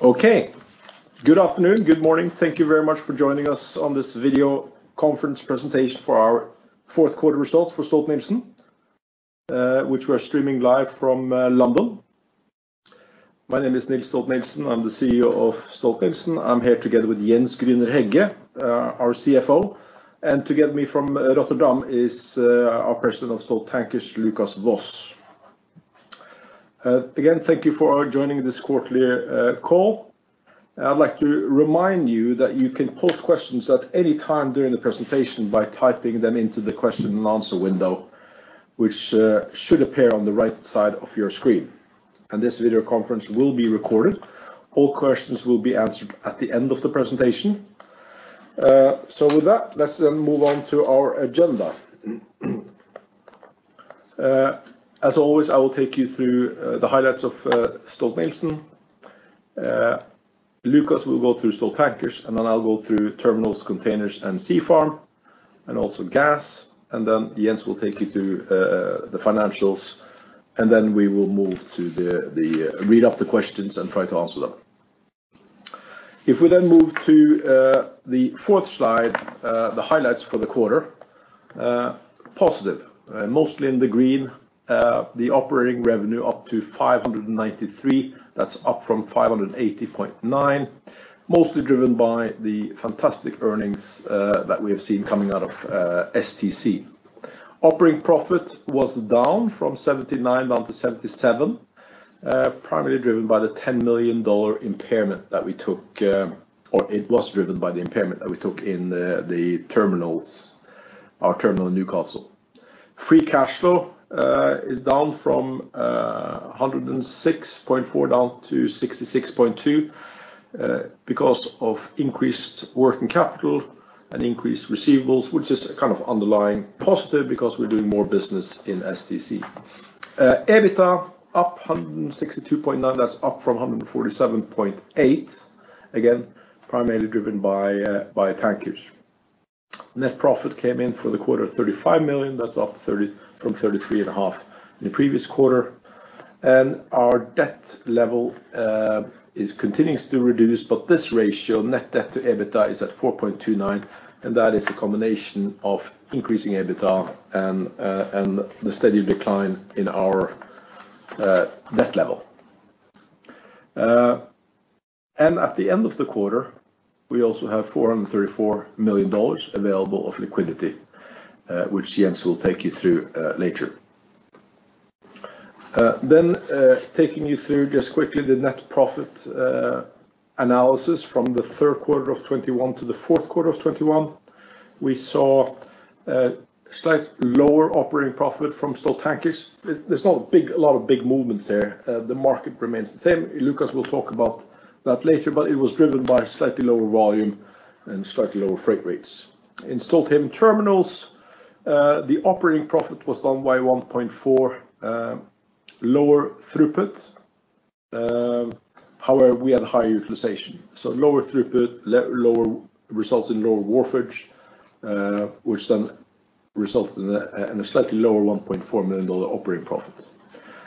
Okay. Good afternoon. Good morning. Thank you very much for joining us on this video conference presentation for our fourth quarter results for Stolt-Nielsen, which we are streaming live from London. My name is Niels G. Stolt-Nielsen. I'm the CEO of Stolt-Nielsen. I'm here together with Jens F. Grüner-Hegge, our CFO. Together with me from Rotterdam is our President of Stolt Tankers, Lucas Vos. Again, thank you for joining this quarterly call. I'd like to remind you that you can pose questions at any time during the presentation by typing them into the question and answer window, which should appear on the right side of your screen. This video conference will be recorded. All questions will be answered at the end of the presentation. With that, let's move on to our agenda. As always, I will take you through the highlights of Stolt-Nielsen. Lucas will go through Stolt Tankers, and then I'll go through terminals, containers, and Sea Farm, and also gas. Jens will take you through the financials, and then we will move to the read off the questions and try to answer them. If we then move to the fourth slide, the highlights for the quarter. Positive, mostly in the green. The operating revenue up to $593, that's up from $580.9. Mostly driven by the fantastic earnings that we have seen coming out of STC. Operating profit was down from $79 to $77. Primarily driven by the $10 million impairment that we took in the terminals, our terminal in Newcastle. Free cash flow is down from $106.4 million to $66.2 million because of increased working capital and increased receivables, which is kind of underlying positive because we're doing more business in STC. EBITDA up $162.9 million, that's up from $147.8 million. Again, primarily driven by Tankers. Net profit came in for the quarter of $35 million, that's up from $33.5 million in the previous quarter. Our debt level is continuing to reduce, but this ratio, net debt to EBITDA, is at 4.29, and that is a combination of increasing EBITDA and the steady decline in our debt level. At the end of the quarter, we also have $434 million available of liquidity, which Jens will take you through later. Taking you through just quickly the net profit analysis from the third quarter of 2021 to the fourth quarter of 2021. We saw a slightly lower operating profit from Stolt Tankers. There's not a lot of big movements there. The market remains the same. Lucas will talk about that later, but it was driven by slightly lower volume and slightly lower freight rates. In Stolthaven Terminals, the operating profit was down by $1.4 million, lower throughput. However, we had higher utilization. Lower throughput, lower results in lower wharfage, which then resulted in a slightly lower $1.4 million operating profit.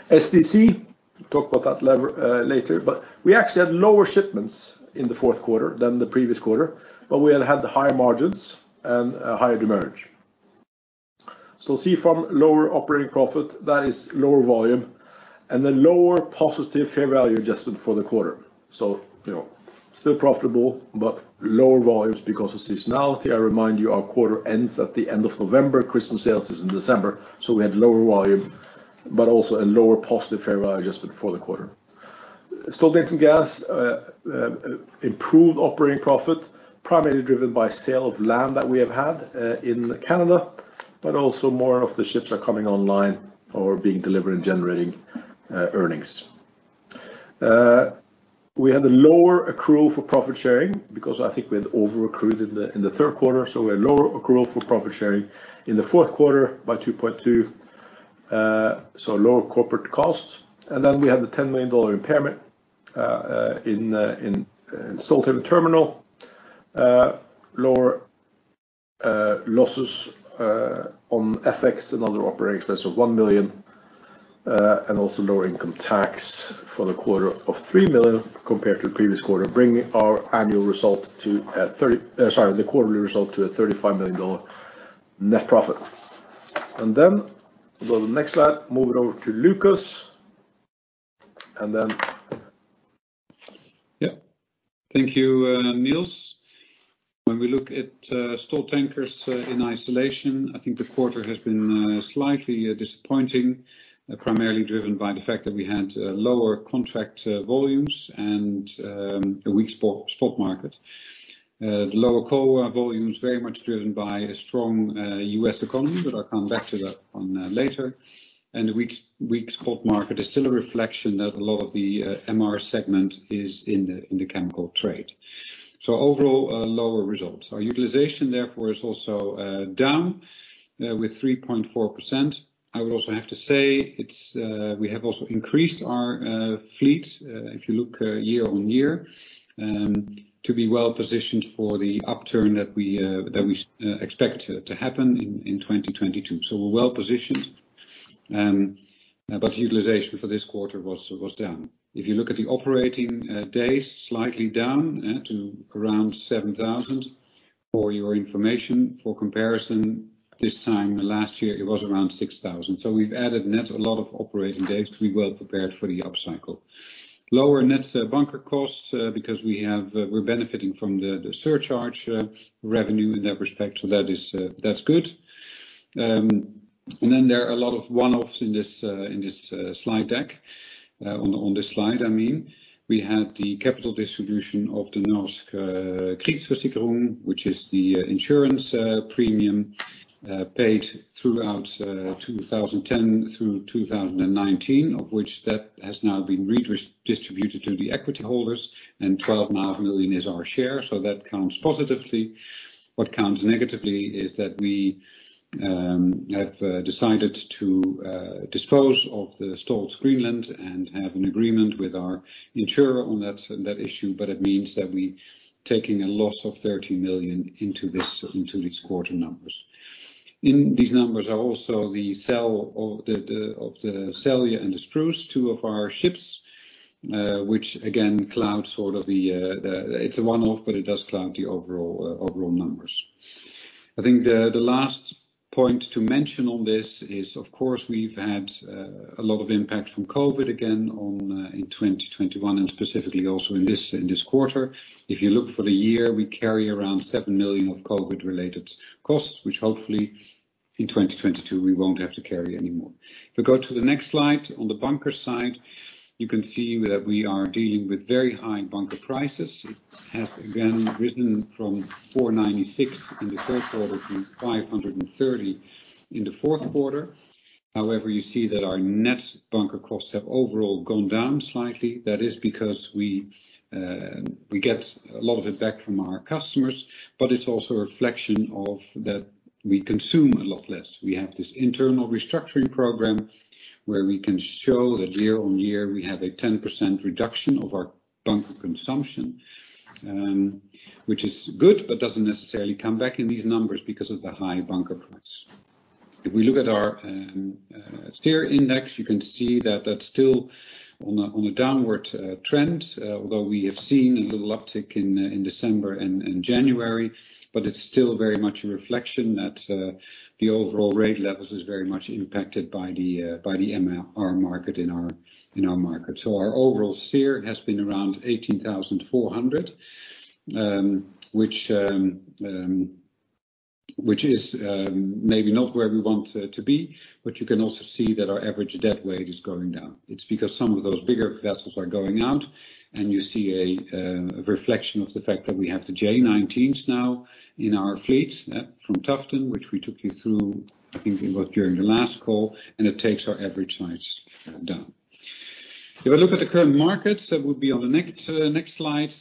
STC, talk about that later, but we actually had lower shipments in the fourth quarter than the previous quarter, but we had higher margins and higher demurrage. Stolt Sea Farm lower operating profit, that is lower volume, and a lower positive fair value adjusted for the quarter. You know, still profitable, but lower volumes because of seasonality. I remind you our quarter ends at the end of November. Christmas sales is in December, so we had lower volume, but also a lower positive fair value adjusted for the quarter. Stolthaven Terminals improved operating profit, primarily driven by sale of land that we have had in Canada, but also more of the ships are coming online or being delivered and generating earnings. We had a lower accrual for profit sharing because I think we had overaccrued in the third quarter, so a lower accrual for profit sharing in the fourth quarter by $2.2 million. Lower corporate costs. Then we had the $10 million impairment in Stolthaven Terminals. Lower losses on FX and other operating expenses of $1 million, and also lower income tax for the quarter of $3 million compared to the previous quarter, bringing our quarterly result to a $35 million net profit. We go to the next slide, move it over to Lucas. Yeah. Thank you, Nils. When we look at Stolt Tankers in isolation, I think the quarter has been slightly disappointing, primarily driven by the fact that we had lower contract volumes and a weak spot market. The lower contract volumes very much driven by a strong US economy, but I'll come back to that one later. The weak spot market is still a reflection that a lot of the MR segment is in the chemical trade. Overall, lower results. Our utilization, therefore, is also down with 3.4%. I would also have to say it's we have also increased our fleet if you look year on year to be well-positioned for the upturn that we expect to happen in 2022. We're well-positioned, but utilization for this quarter was down. If you look at the operating days, slightly down to around 7,000. For your information, for comparison, this time last year it was around 6,000. We've added net a lot of operating days to be well prepared for the up cycle. Lower net bunker costs because we're benefiting from the surcharge revenue in that respect, so that is good. And then there are a lot of one-offs in this slide deck. On this slide, I mean. We have the capital distribution of the Den Norske Krigsforsikring, which is the insurance premium paid throughout 2010 through 2019, of which that has now been redistributed to the equity holders and $12.5 million is our share, so that counts positively. What counts negatively is that we have decided to dispose of the Stolt Groenland and have an agreement with our insurer on that issue. It means that we taking a loss of $30 million into these quarter numbers. In these numbers are also the sale of the Stolt Celia and the Stolt Spruce, two of our ships, which again clouds sort of the overall numbers. It's a one-off, but it does cloud the overall numbers. I think the last point to mention on this is, of course, we've had a lot of impact from COVID again on in 2021, and specifically also in this quarter. If you look for the year, we carry around $7 million of COVID-related costs, which hopefully in 2022 we won't have to carry anymore. If we go to the next slide, on the bunker side, you can see that we are dealing with very high bunker prices. It has again risen from $496 in the third quarter to $530 in the fourth quarter. However, you see that our net bunker costs have overall gone down slightly. That is because we get a lot of it back from our customers, but it's also a reflection of that we consume a lot less. We have this internal restructuring program where we can show that year-on-year we have a 10% reduction of our bunker consumption, which is good, but doesn't necessarily come back in these numbers because of the high bunker price. If we look at our SEER index, you can see that that's still on a downward trend, although we have seen a little uptick in December and January. But it's still very much a reflection that the overall rate levels is very much impacted by the MR market in our market. So our overall SEER has been around 18,400, which is maybe not where we want to be, but you can also see that our average deadweight is going down. It's because some of those bigger vessels are going out, and you see a reflection of the fact that we have the J19s now in our fleet from Tufton, which we took you through, I think it was during the last call, and it takes our average size down. If I look at the current markets, that would be on the next slide.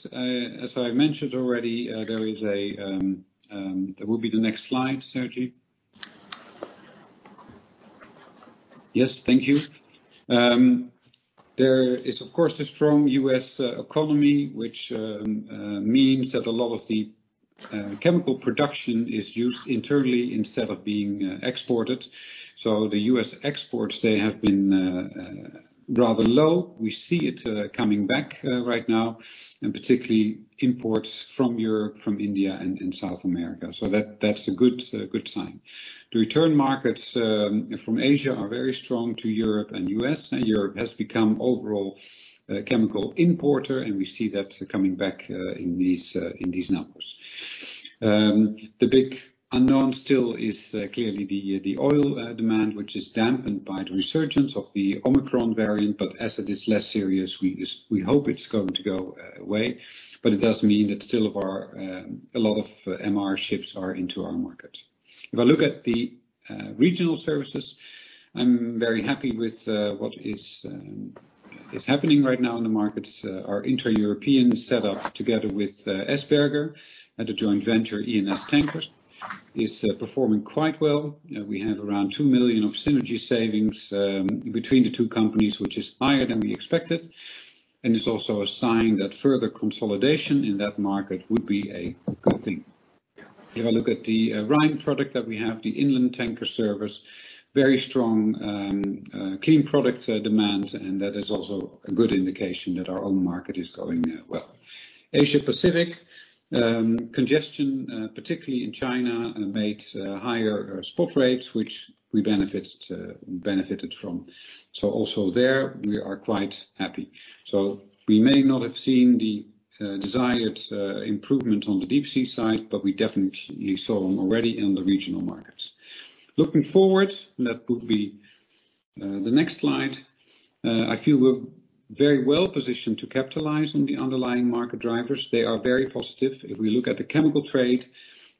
As I mentioned already, that will be the next slide, Sergey. Yes, thank you. There is of course a strong US economy, which means that a lot of the chemical production is used internally instead of being exported. So the US exports, they have been rather low. We see it coming back right now, and particularly imports from Europe, from India, and South America. That's a good sign. The return markets from Asia are very strong to Europe and U.S., and Europe has become overall chemical importer, and we see that coming back in these numbers. The big unknown still is clearly the oil demand, which is dampened by the resurgence of the Omicron variant, but as it is less serious, we hope it's going to go away, but it does mean that still a lot of our MR ships are in our market. If I look at the regional services, I'm very happy with what is happening right now in the markets. Our intra-European setup together with Essberger at the joint venture E&S Tankers is performing quite well. We have around $2 million of synergy savings between the two companies, which is higher than we expected, and is also a sign that further consolidation in that market would be a good thing. If I look at the Rhine product that we have, the inland tanker service, very strong clean product demand, and that is also a good indication that our own market is going well. Asia Pacific congestion, particularly in China, made higher spot rates, which we benefited from. Also there we are quite happy. We may not have seen the desired improvement on the deep-sea side, but we definitely saw them already in the regional markets. Looking forward, that would be the next slide. I feel we're very well positioned to capitalize on the underlying market drivers. They are very positive. If we look at the chemical trade,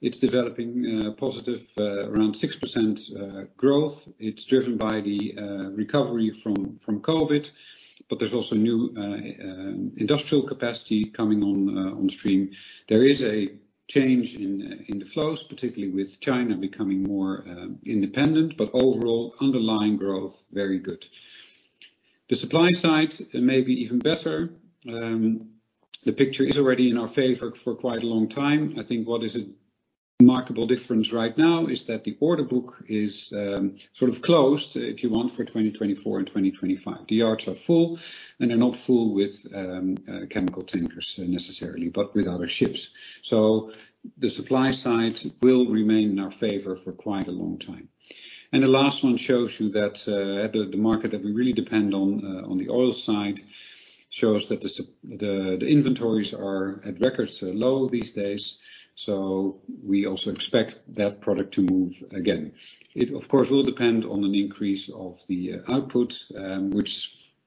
it's developing positive around 6% growth. It's driven by the recovery from COVID, but there's also new industrial capacity coming on stream. There is a change in the flows, particularly with China becoming more independent, but overall underlying growth very good. The supply side may be even better. The picture is already in our favor for quite a long time. I think what is a remarkable difference right now is that the order book is sort of closed, if you want, for 2024 and 2025. The yards are full and they are not full with chemical tankers necessarily, but with other ships. The supply side will remain in our favor for quite a long time. The last one shows you that the market that we really depend on on the oil side shows that the inventories are at record low these days, so we also expect that product to move again. It of course will depend on an increase of the output, which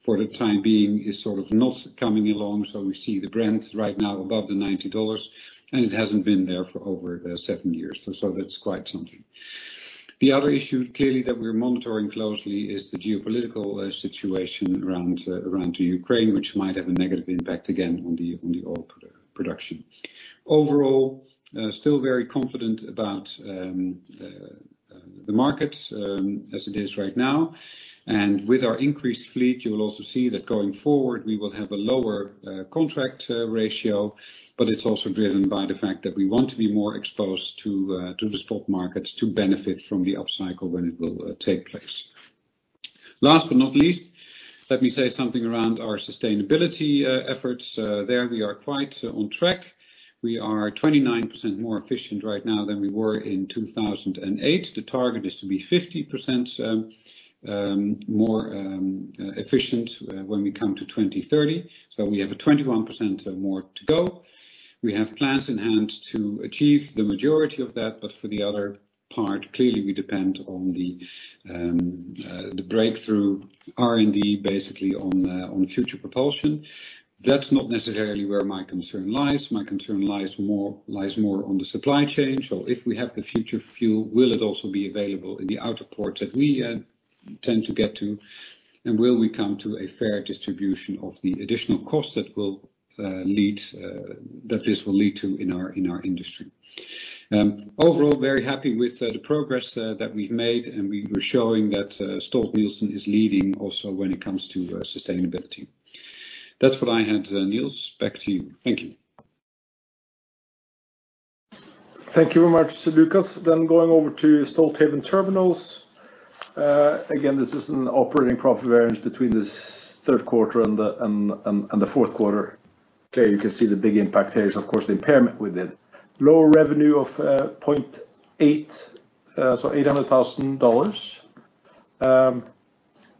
for the time being is sort of not coming along. We see the Brent right now above $90, and it hasn't been there for over seven years, so that's quite something. The other issue clearly that we're monitoring closely is the geopolitical situation around Ukraine, which might have a negative impact again on the oil production. Overall, still very confident about the market as it is right now. With our increased fleet, you will also see that going forward we will have a lower contract ratio. It's also driven by the fact that we want to be more exposed to the stock market to benefit from the upcycle when it will take place. Last but not least, let me say something around our sustainability efforts. There we are quite on track. We are 29% more efficient right now than we were in 2008. The target is to be 50% more efficient when we come to 2030. We have a 21% more to go. We have plans in hand to achieve the majority of that. For the other part, clearly we depend on the breakthrough R&D, basically on future propulsion. That's not necessarily where my concern lies. My concern lies more on the supply chain. If we have the future fuel, will it also be available in the outer ports that we tend to get to? Will we come to a fair distribution of the additional costs that this will lead to in our industry? Overall, very happy with the progress that we've made, and we're showing that Stolt-Nielsen is leading also when it comes to sustainability. That's what I had, Niels. Back to you. Thank you. Thank you very much, Lucas. Going over to Stolthaven Terminals. Again, this is an operating profit variance between this third quarter and the fourth quarter. Okay. You can see the big impact here is of course, the impairment we did. Lower revenue of $800,000.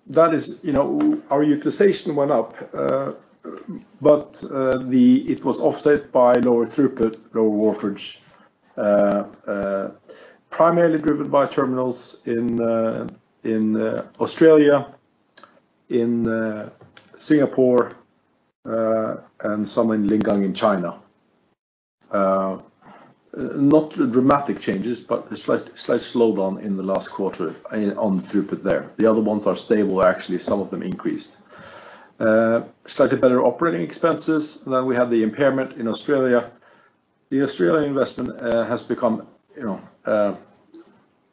That is, you know, our utilization went up, but it was offset by lower throughput, lower wharfage, primarily driven by terminals in Australia, in Singapore, and some in Lingang in China. Not dramatic changes, but a slight slowdown in the last quarter on throughput there. The other ones are stable. Actually, some of them increased. Slightly better operating expenses. We have the impairment in Australia. The Australian investment has become, you know,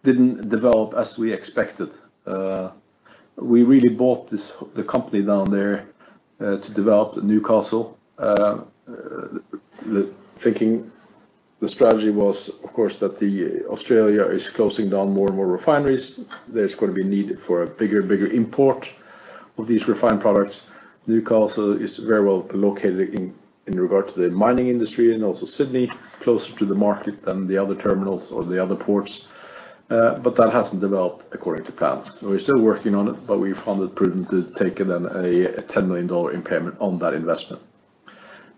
didn't develop as we expected. We really bought this, the company down there to develop the Newcastle. The thinking, the strategy was of course, that Australia is closing down more and more refineries. There's gonna be need for a bigger and bigger import of these refined products. Newcastle is very well located in regard to the mining industry and also Sydney, closer to the market than the other terminals or the other ports. That hasn't developed according to plan. We're still working on it, but we found it prudent to take a $10 million impairment on that investment.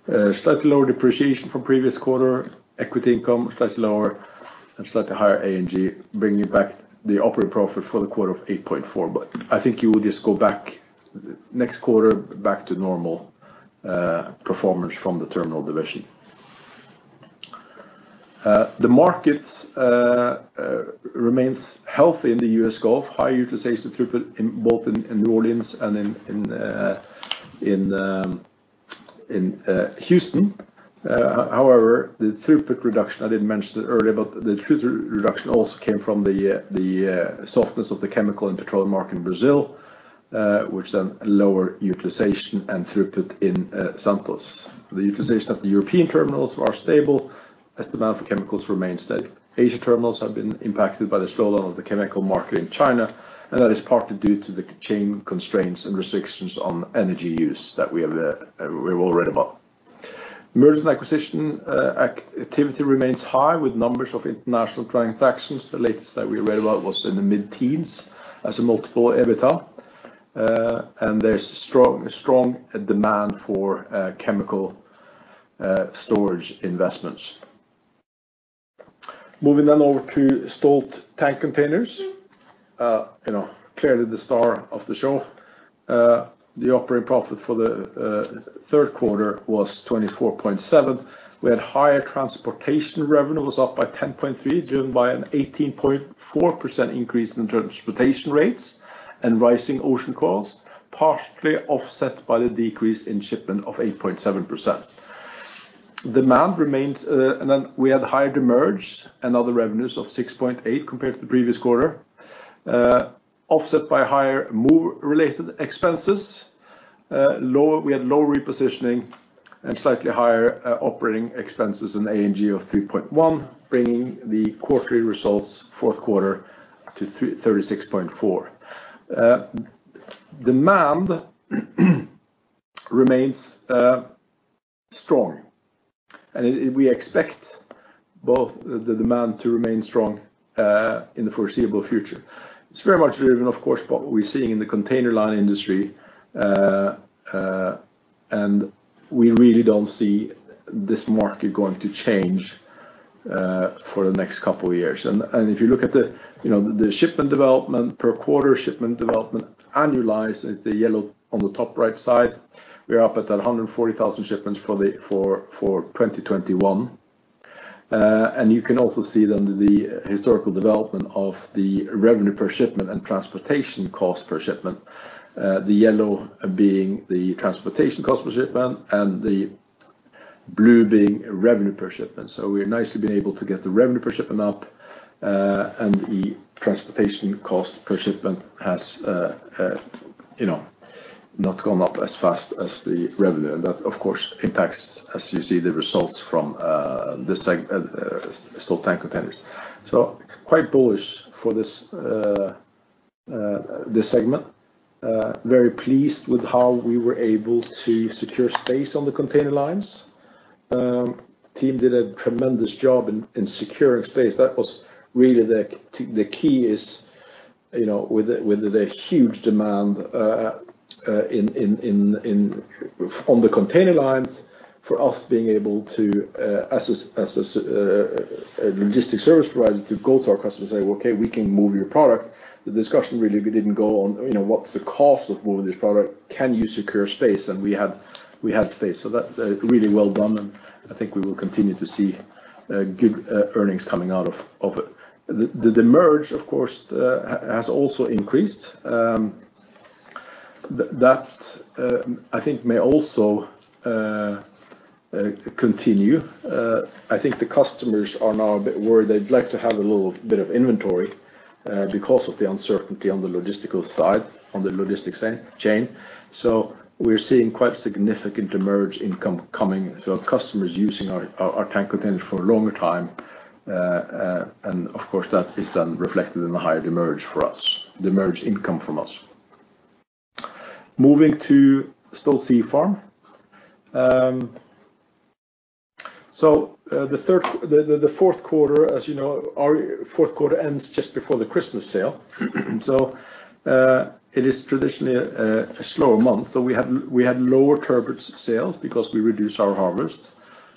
Slightly lower depreciation from previous quarter. Equity income, slightly lower and slightly higher A&G, bringing it back the operating profit for the quarter of $8.4 million. I think you will just go back next quarter back to normal performance from the terminal division. The markets remains healthy in the US Gulf. High utilization throughput in both New Orleans and Houston. However, the throughput reduction, I didn't mention it earlier, but the throughput reduction also came from the softness of the chemical and petroleum market in Brazil, which then lower utilization and throughput in Santos. The utilization of the European terminals are stable as the amount of chemicals remain steady. Asia terminals have been impacted by the slowdown of the chemical market in China, and that is partly due to China's constraints and restrictions on energy use that we have, we've all read about. Merger and acquisition activity remains high with numbers of international transactions. The latest that we read about was in the mid-teens as a multiple of EBITDA. There's strong demand for chemical storage investments. Moving then over to Stolt Tank Containers. You know, clearly the star of the show. The operating profit for the third quarter was $24.7. We had higher transportation revenue was up by $10.3, driven by an 18.4% increase in transportation rates and rising ocean costs, partially offset by the decrease in shipment of 8.7%. Demand remains. We had higher demurrage and other revenues of $6.8 compared to the previous quarter, offset by higher depot-related expenses. We had low repositioning and slightly higher operating expenses in A&G of $3.1, bringing the quarterly results fourth quarter to $36.4. Demand remains strong. We expect both the demand to remain strong in the foreseeable future. It's very much driven, of course, by what we're seeing in the container line industry. We really don't see this market going to change for the next couple of years. If you look at the, you know, the shipment development per quarter, shipment development annualized, the yellow on the top right side, we're up at 140,000 shipments for 2021. You can also see under the historical development of the revenue per shipment and transportation cost per shipment, the yellow being the transportation cost per shipment and the blue being revenue per shipment. We're nicely been able to get the revenue per shipment up, and the transportation cost per shipment has, you know, not gone up as fast as the revenue. That, of course, impacts, as you see, the results from the Stolt Tank Containers. Quite bullish for this segment. Very pleased with how we were able to secure space on the container lines. Team did a tremendous job in securing space. The key is, you know, with the huge demand on the container lines for us being able to, as a logistics service provider, to go to our customers and say, "Well, okay, we can move your product." The discussion really didn't go on, you know, what's the cost of moving this product? Can you secure space? We had space, so that's really well done, and I think we will continue to see good earnings coming out of it. The demand, of course, has also increased. That, I think, may also continue. I think the customers are now a bit worried. They'd like to have a little bit of inventory because of the uncertainty on the logistical side, on the logistics chain. We're seeing quite significant demurrage income coming. Our customers using our tank containers for a longer time, and of course, that is then reflected in the higher demurrage income for us. Demurrage income from us. Moving to Stolt Sea Farm. The fourth quarter, as you know, our fourth quarter ends just before the Christmas sale. It is traditionally a slower month. We had lower turbot sales because we reduced our harvest,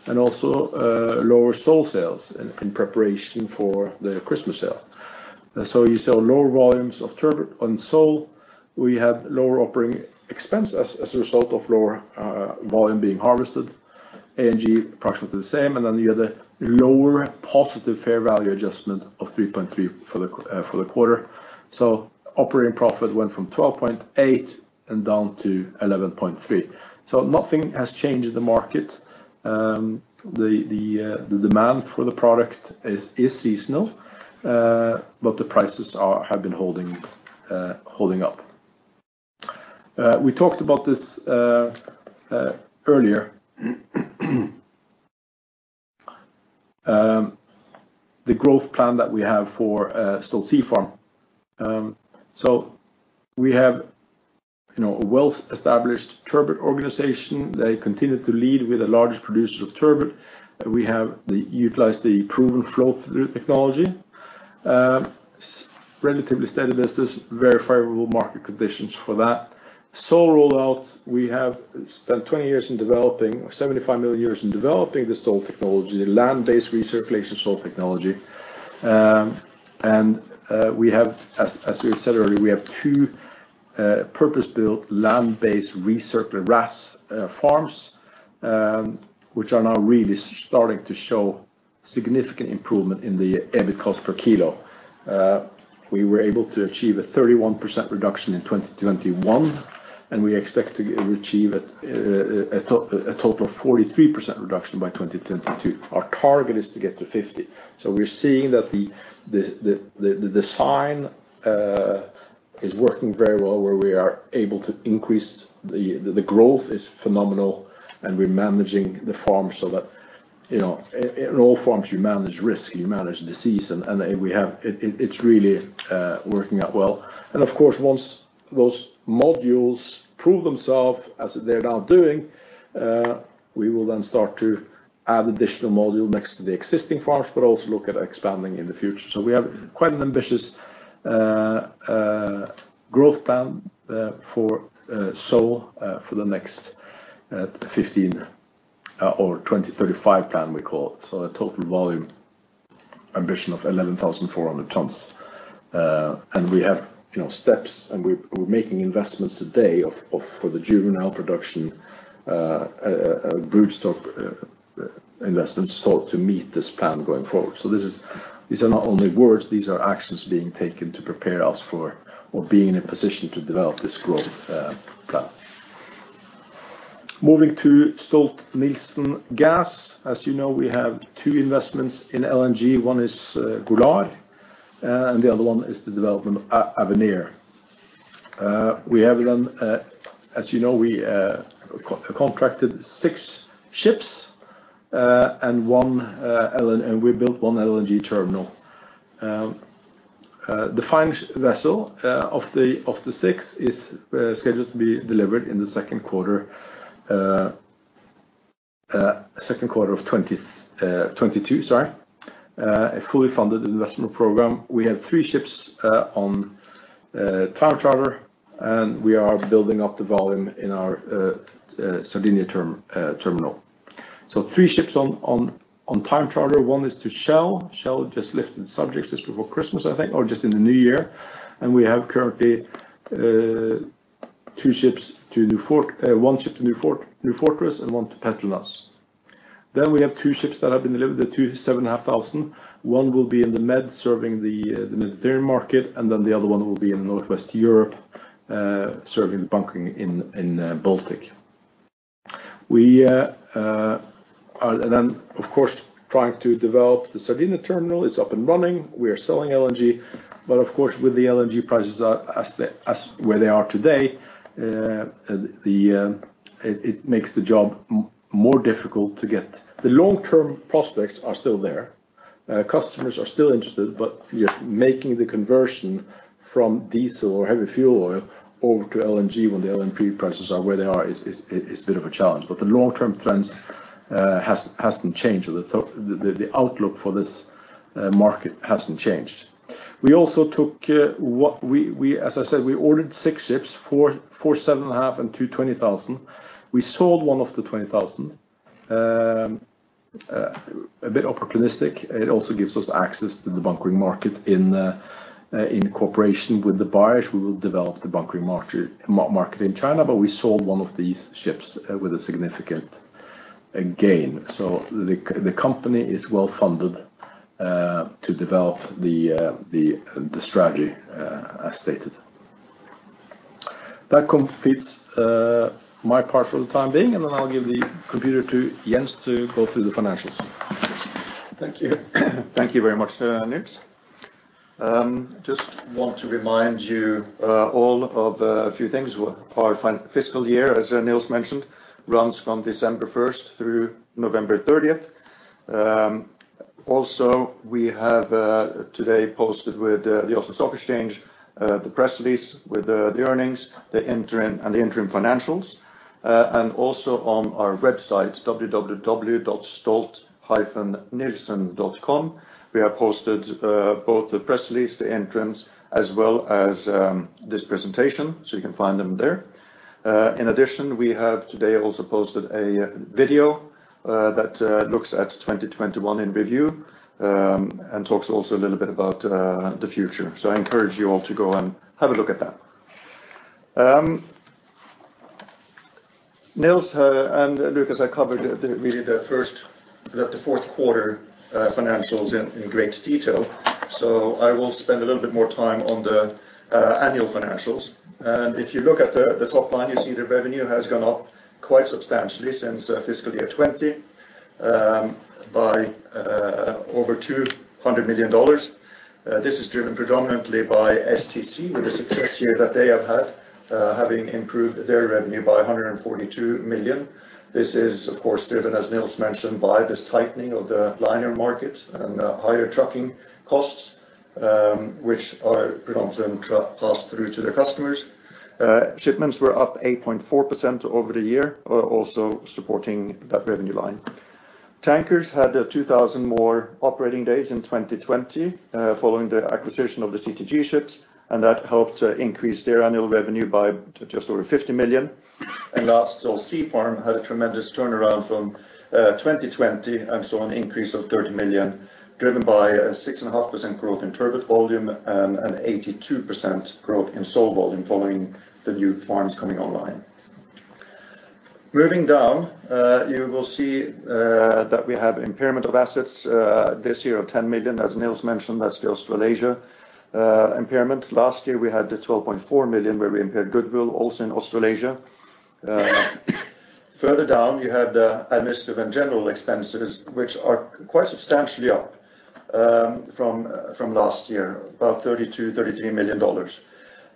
and also lower sole sales in preparation for the Christmas sale. You sell lower volumes of turbot. On sole, we had lower operating expense as a result of lower volume being harvested. A&G approximately the same, and then you had a lower positive fair value adjustment of $3.3 for the quarter. Operating profit went from $12.8 down to $11.3. Nothing has changed in the market. The demand for the product is seasonal, but the prices have been holding up. We talked about this earlier. The growth plan that we have for Stolt Sea Farm. We have, you know, a well-established turbot organization. They continue to lead as the largest producer of turbot. We have utilized the proven flow-through technology. Relatively steady business, very favorable market conditions for that. Sole rollout, we have spent 20 years in developing, 75 million years in developing the sole technology, land-based recirculation sole technology. We have, as we said earlier, we have two purpose-built land-based recirculating RAS farms, which are now really starting to show significant improvement in the EBIT cost per kilo. We were able to achieve a 31% reduction in 2021, and we expect to achieve a total of 43% reduction by 2022. Our target is to get to 50%. We're seeing that the design is working very well, where we are able to increase the growth, which is phenomenal, and we're managing the farm so that, you know, in all farms, you manage risk, you manage disease, and we have it really working out well. Of course, once those modules prove themselves as they're now doing, we will then start to add additional module next to the existing farms, but also look at expanding in the future. We have quite an ambitious growth plan for sole for the next 15 or 20-35 plan we call it. A total volume ambition of 11,400 tons. We have, you know, steps, and we're making investments today of for the juvenile production, broodstock, investments stock to meet this plan going forward. This is, these are not only words, these are actions being taken to prepare us for or be in a position to develop this growth plan. Moving to Stolt-Nielsen Gas. As you know, we have two investments in LNG. One is Golar, and the other one is the development of Avenir. We have then, as you know, we co-contracted six ships and we built one LNG terminal. The final vessel of the six is scheduled to be delivered in the second quarter of 2022, sorry. A fully funded investment program. We have three ships on time charter, and we are building up the volume in our Sardinia terminal. Three ships on time charter. One is to Shell. Shell just lifted subjects just before Christmas, I think, or just in the new year. We have currently one ship to New Fortress and one to PETRONAS. We have two ships that have been delivered, the two 7,500. One will be in the Med, serving the Mediterranean market, and the other one will be in Northwest Europe, serving the bunkering in Baltic. We are then, of course, trying to develop the Sardinia terminal. It's up and running. We are selling LNG, but of course, with the LNG prices where they are today, it makes the job more difficult to get. The long-term prospects are still there. Customers are still interested, but just making the conversion from diesel or heavy fuel oil over to LNG when the LNG prices are where they are is a bit of a challenge. But the long-term trends hasn't changed. The outlook for this market hasn't changed. As I said, we ordered six ships, four 47.5 and two 20,000. We sold one of the 20,000. A bit opportunistic. It also gives us access to the bunkering market in cooperation with the buyers. We will develop the bunkering market in China, but we sold one of these ships with a significant gain. The company is well-funded to develop the strategy as stated. That completes my part for the time being, and then I'll give the floor to Jens to go through the financials. Thank you. Thank you very much, Nils. Just want to remind you all of a few things. Our fiscal year, as Nils mentioned, runs from December first through November thirtieth. Also, we have today posted with the Oslo Stock Exchange the press release with the earnings, the interim, and the interim financials. Also on our website, www.stolt-nielsen.com, we have posted both the press release, the interims, as well as this presentation, so you can find them there. In addition, we have today also posted a video that looks at 2021 in review, and talks also a little bit about the future. I encourage you all to go and have a look at that. Niels and Lucas have covered the fourth quarter financials in great detail. I will spend a little bit more time on the annual financials. If you look at the top line, you see the revenue has gone up quite substantially since fiscal year 2020 by over $200 million. This is driven predominantly by STC with the success year that they have had, having improved their revenue by $142 million. This is, of course, driven, as Niels mentioned, by this tightening of the liner market and higher trucking costs, which are predominantly passed through to their customers. Shipments were up 8.4% over the year, also supporting that revenue line. Tankers had 2,000 more operating days in 2020 following the acquisition of the CTG ships, and that helped to increase their annual revenue by just over $50 million. Last, Stolt Sea Farm had a tremendous turnaround from 2020 and saw an increase of $30 million, driven by a 6.5% growth in turbot volume and an 82% growth in sole volume following the new farms coming online. Moving down, you will see that we have impairment of assets this year of $10 million. As Nils mentioned, that's the Australasia impairment. Last year, we had the $12.4 million, where we impaired goodwill also in Australasia. Further down, you have the administrative and general expenses, which are quite substantially up from last year, about $32-$33 million.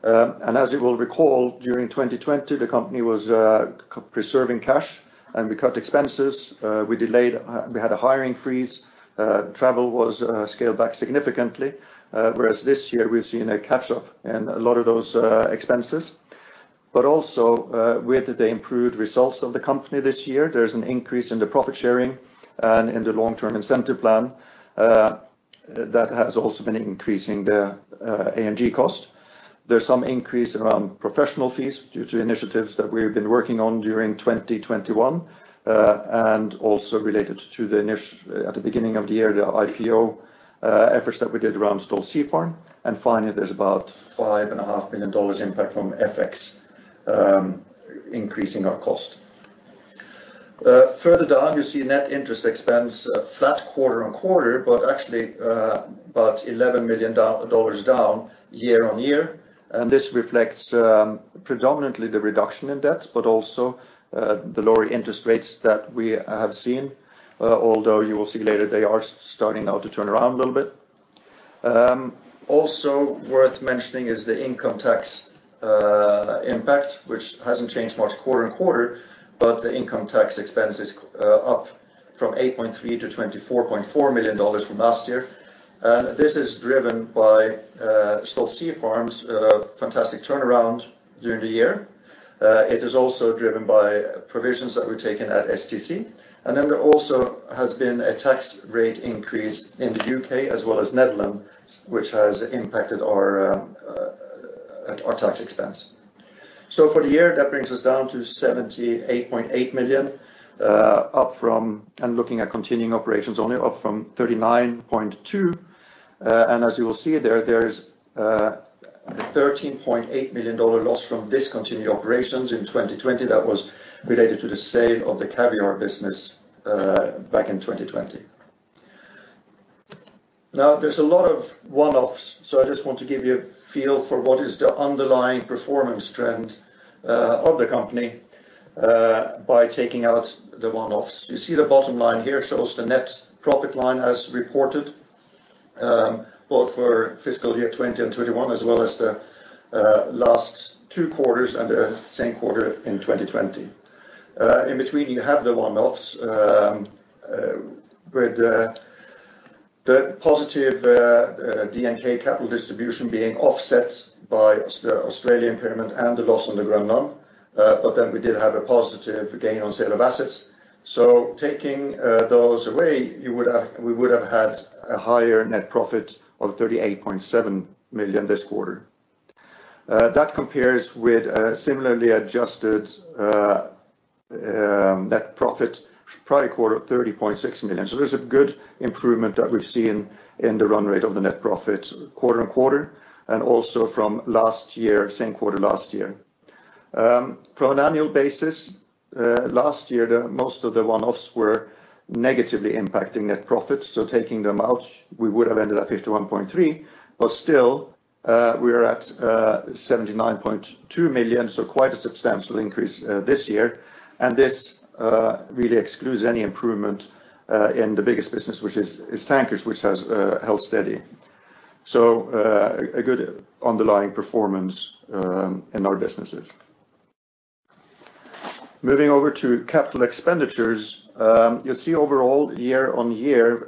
As you will recall, during 2020, the company was preserving cash, and we cut expenses. We delayed, we had a hiring freeze. Travel was scaled back significantly. Whereas this year, we've seen a catch-up in a lot of those expenses. Also, with the improved results of the company this year, there's an increase in the profit sharing and in the long-term incentive plan. That has also been increasing the A&G cost. There's some increase around professional fees due to initiatives that we've been working on during 2021, and also related to the IPO efforts at the beginning of the year that we did around Stolt Sea Farm. Finally, there's about $5.5 million impact from FX, increasing our cost. Further down you see net interest expense, flat quarter-on-quarter, but actually, about $11 million dollars down year-on-year. This reflects predominantly the reduction in debt, but also the lower interest rates that we have seen. Although you will see later, they are starting now to turn around a little bit. Also worth mentioning is the income tax impact, which hasn't changed much quarter-on-quarter, but the income tax expense is up from $8.3 million to $24.4 million from last year. This is driven by Stolt Sea Farm's fantastic turnaround during the year. It is also driven by provisions that were taken at STC. There also has been a tax rate increase in the U.K. as well as Netherlands, which has impacted our tax expense. For the year, that brings us down to $78.8 million, and looking at continuing operations only, up from $39.2 million. As you will see there is a $13.8 million loss from discontinued operations in 2020 that was related to the sale of the caviar business back in 2020. Now there's a lot of one-offs, so I just want to give you a feel for what is the underlying performance trend of the company by taking out the one-offs. You see the bottom line here shows the net profit line as reported, both for fiscal year 2020 and 2021, as well as the last two quarters and the same quarter in 2020. In between, you have the one-offs, with the positive DNK capital distribution being offset by Australian payment and the loss on the Groenland. We did have a positive gain on sale of assets. Taking those away, we would have had a higher net profit of $38.7 million this quarter. That compares with a similarly adjusted net profit prior quarter of $30.6 million. There's a good improvement that we've seen in the run rate of the net profit quarter-on-quarter, and also from last year, same quarter last year. From an annual basis, last year, most of the one-offs were negatively impacting net profit. Taking them out, we would have ended at $51.3 million. Still, we are at $79.2 million, so quite a substantial increase this year. This really excludes any improvement in the biggest business, which is tankers, which has held steady. A good underlying performance in our businesses. Moving over to capital expenditures, you'll see overall year-on-year,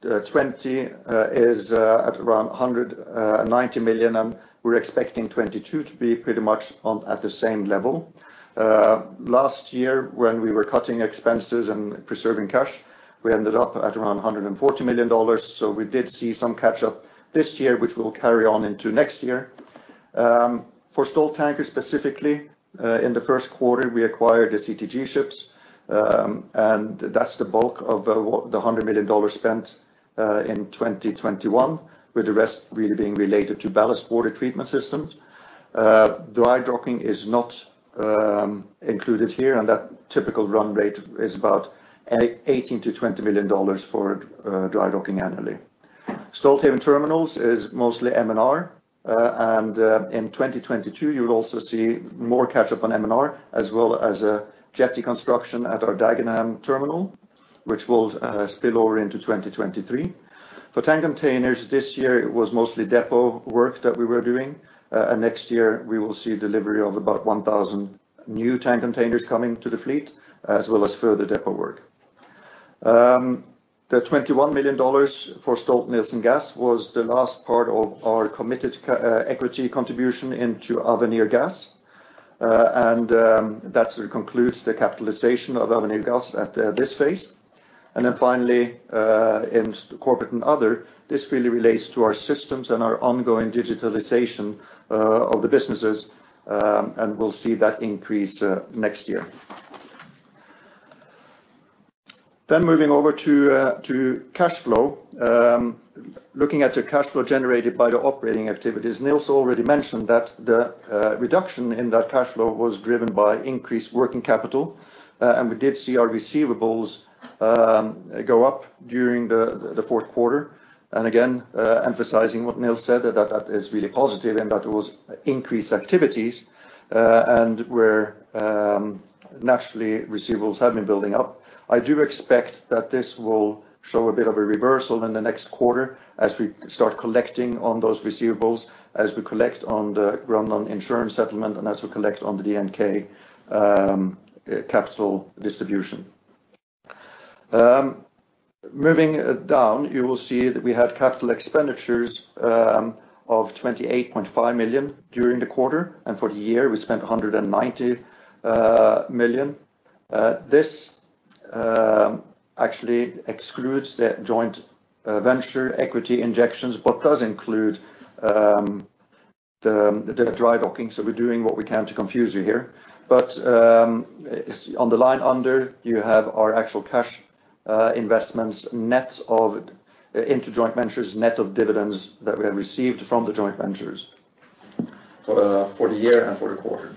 2021 is at around $190 million, and we're expecting 2022 to be pretty much at the same level. Last year when we were cutting expenses and preserving cash, we ended up at around $140 million. We did see some catch up this year, which we'll carry on into next year. For Stolt Tankers specifically, in the first quarter, we acquired the CTG ships, and that's the bulk of the $100 million spent in 2021, with the rest really being related to ballast water treatment systems. Dry docking is not included here, and that typical run rate is about $18 million-$20 million for dry docking annually. Stolthaven Terminals is mostly M&R. In 2022, you'll also see more catch up on M&R as well as a jetty construction at our Dagenham terminal, which will spill over into 2023. For tank containers this year, it was mostly depot work that we were doing. Next year we will see delivery of about 1,000 new tank containers coming to the fleet as well as further depot work. The $21 million for Stolt-Nielsen Gas was the last part of our committed equity contribution into Avenir LNG. That concludes the capitalization of Avenir LNG at this phase. Finally, in corporate and other, this really relates to our systems and our ongoing digitalization of the businesses, and we'll see that increase next year. Moving over to cash flow. Looking at the cash flow generated by the operating activities, Nils already mentioned that the reduction in that cash flow was driven by increased working capital. We did see our receivables go up during the fourth quarter. Emphasizing what Nils said, that is really positive and that was increased activities, and where naturally receivables have been building up. I do expect that this will show a bit of a reversal in the next quarter as we start collecting on those receivables, as we collect on the Grundon insurance settlement and as we collect on the DNK capital distribution. Moving down, you will see that we had capital expenditures of $28.5 million during the quarter. For the year we spent $190 million. This actually excludes the joint venture equity injections, but does include the dry docking. We're doing what we can to confuse you here. It's on the line under. You have our actual cash investments, net of into joint ventures, net of dividends that we have received from the joint ventures. For the year and for the quarter.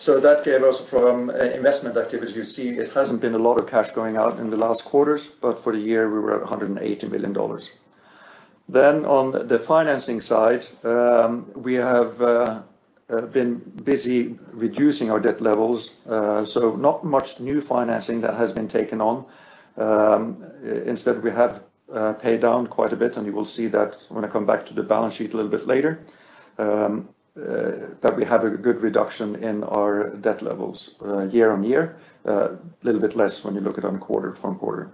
So that gave us from investment activities. You see, it hasn't been a lot of cash going out in the last quarters, but for the year, we were at $180 million. On the financing side, we have been busy reducing our debt levels, so not much new financing that has been taken on. Instead, we have paid down quite a bit, and you will see that when I come back to the balance sheet a little bit later, that we have a good reduction in our debt levels, year-over-year, a little bit less when you look at quarter-over-quarter.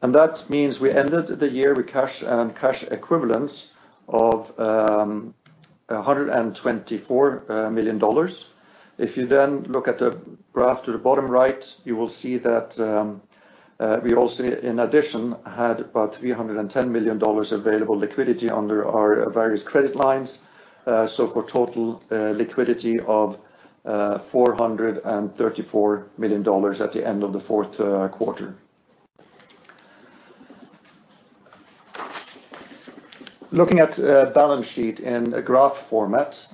That means we ended the year with cash and cash equivalents of $124 million. If you then look at the graph to the bottom right, you will see that we also, in addition, had about $310 million available liquidity under our various credit lines. For total liquidity of $434 million at the end of the fourth quarter. Looking at a balance sheet in a graph format,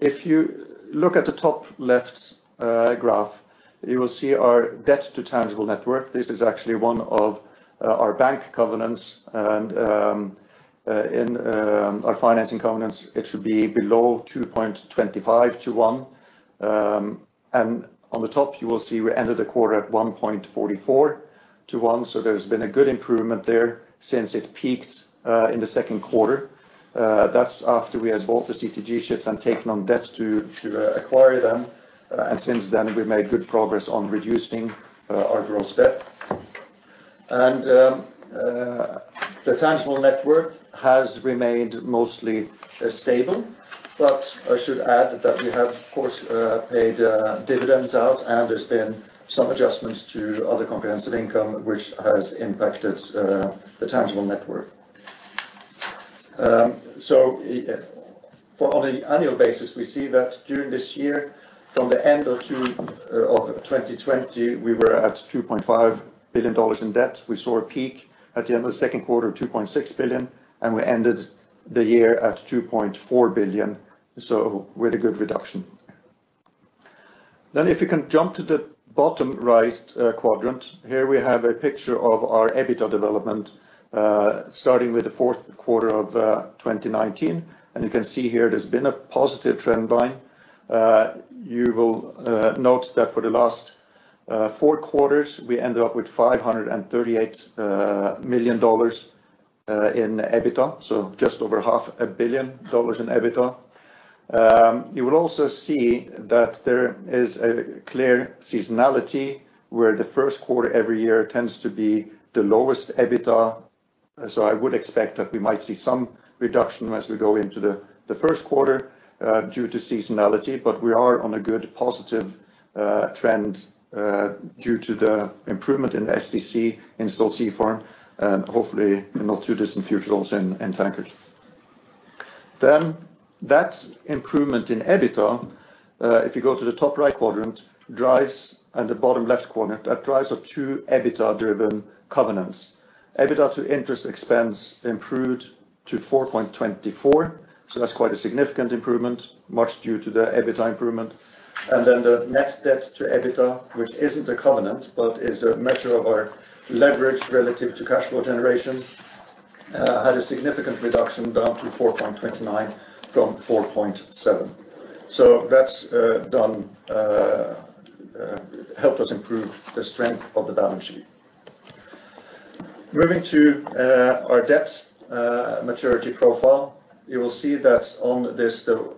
if you look at the top left graph, you will see our debt to tangible net worth. This is actually one of our bank covenants and in our financing covenants, it should be below 2.25 to one. On the top, you will see we ended the quarter at 1.44 to one, so there's been a good improvement there since it peaked in the second quarter. That's after we had bought the CTG ships and taken on debt to acquire them. Since then, we've made good progress on reducing our gross debt. The tangible net worth has remained mostly stable, but I should add that we have, of course, paid dividends out, and there's been some adjustments to other comprehensive income, which has impacted the tangible net worth. On the annual basis, we see that during this year, from the end of 2020, we were at $2.5 billion in debt. We saw a peak at the end of the second quarter, $2.6 billion, and we ended the year at $2.4 billion, so with a good reduction. If you can jump to the bottom right quadrant, here we have a picture of our EBITDA development starting with the fourth quarter of 2019. You can see here, there's been a positive trend line. You will note that for the last four quarters, we ended up with $538 million in EBITDA, so just over half a billion dollars in EBITDA. You will also see that there is a clear seasonality where the first quarter every year tends to be the lowest EBITDA, so I would expect that we might see some reduction as we go into the first quarter due to seasonality. We are on a good positive trend due to the improvement in SDC, Stolt Sea Farm, and hopefully in the not too distant future, also in tankers. That improvement in EBITDA, if you go to the top right quadrant, drives, and the bottom left quadrant, that drives our two EBITDA-driven covenants. EBITDA to interest expense improved to 4.24, so that's quite a significant improvement, much due to the EBITDA improvement. The net debt to EBITDA, which isn't a covenant, but is a measure of our leverage relative to cash flow generation, had a significant reduction down to 4.29 from 4.7. That's helped us improve the strength of the balance sheet. Moving to our debt maturity profile. You will see that on this, the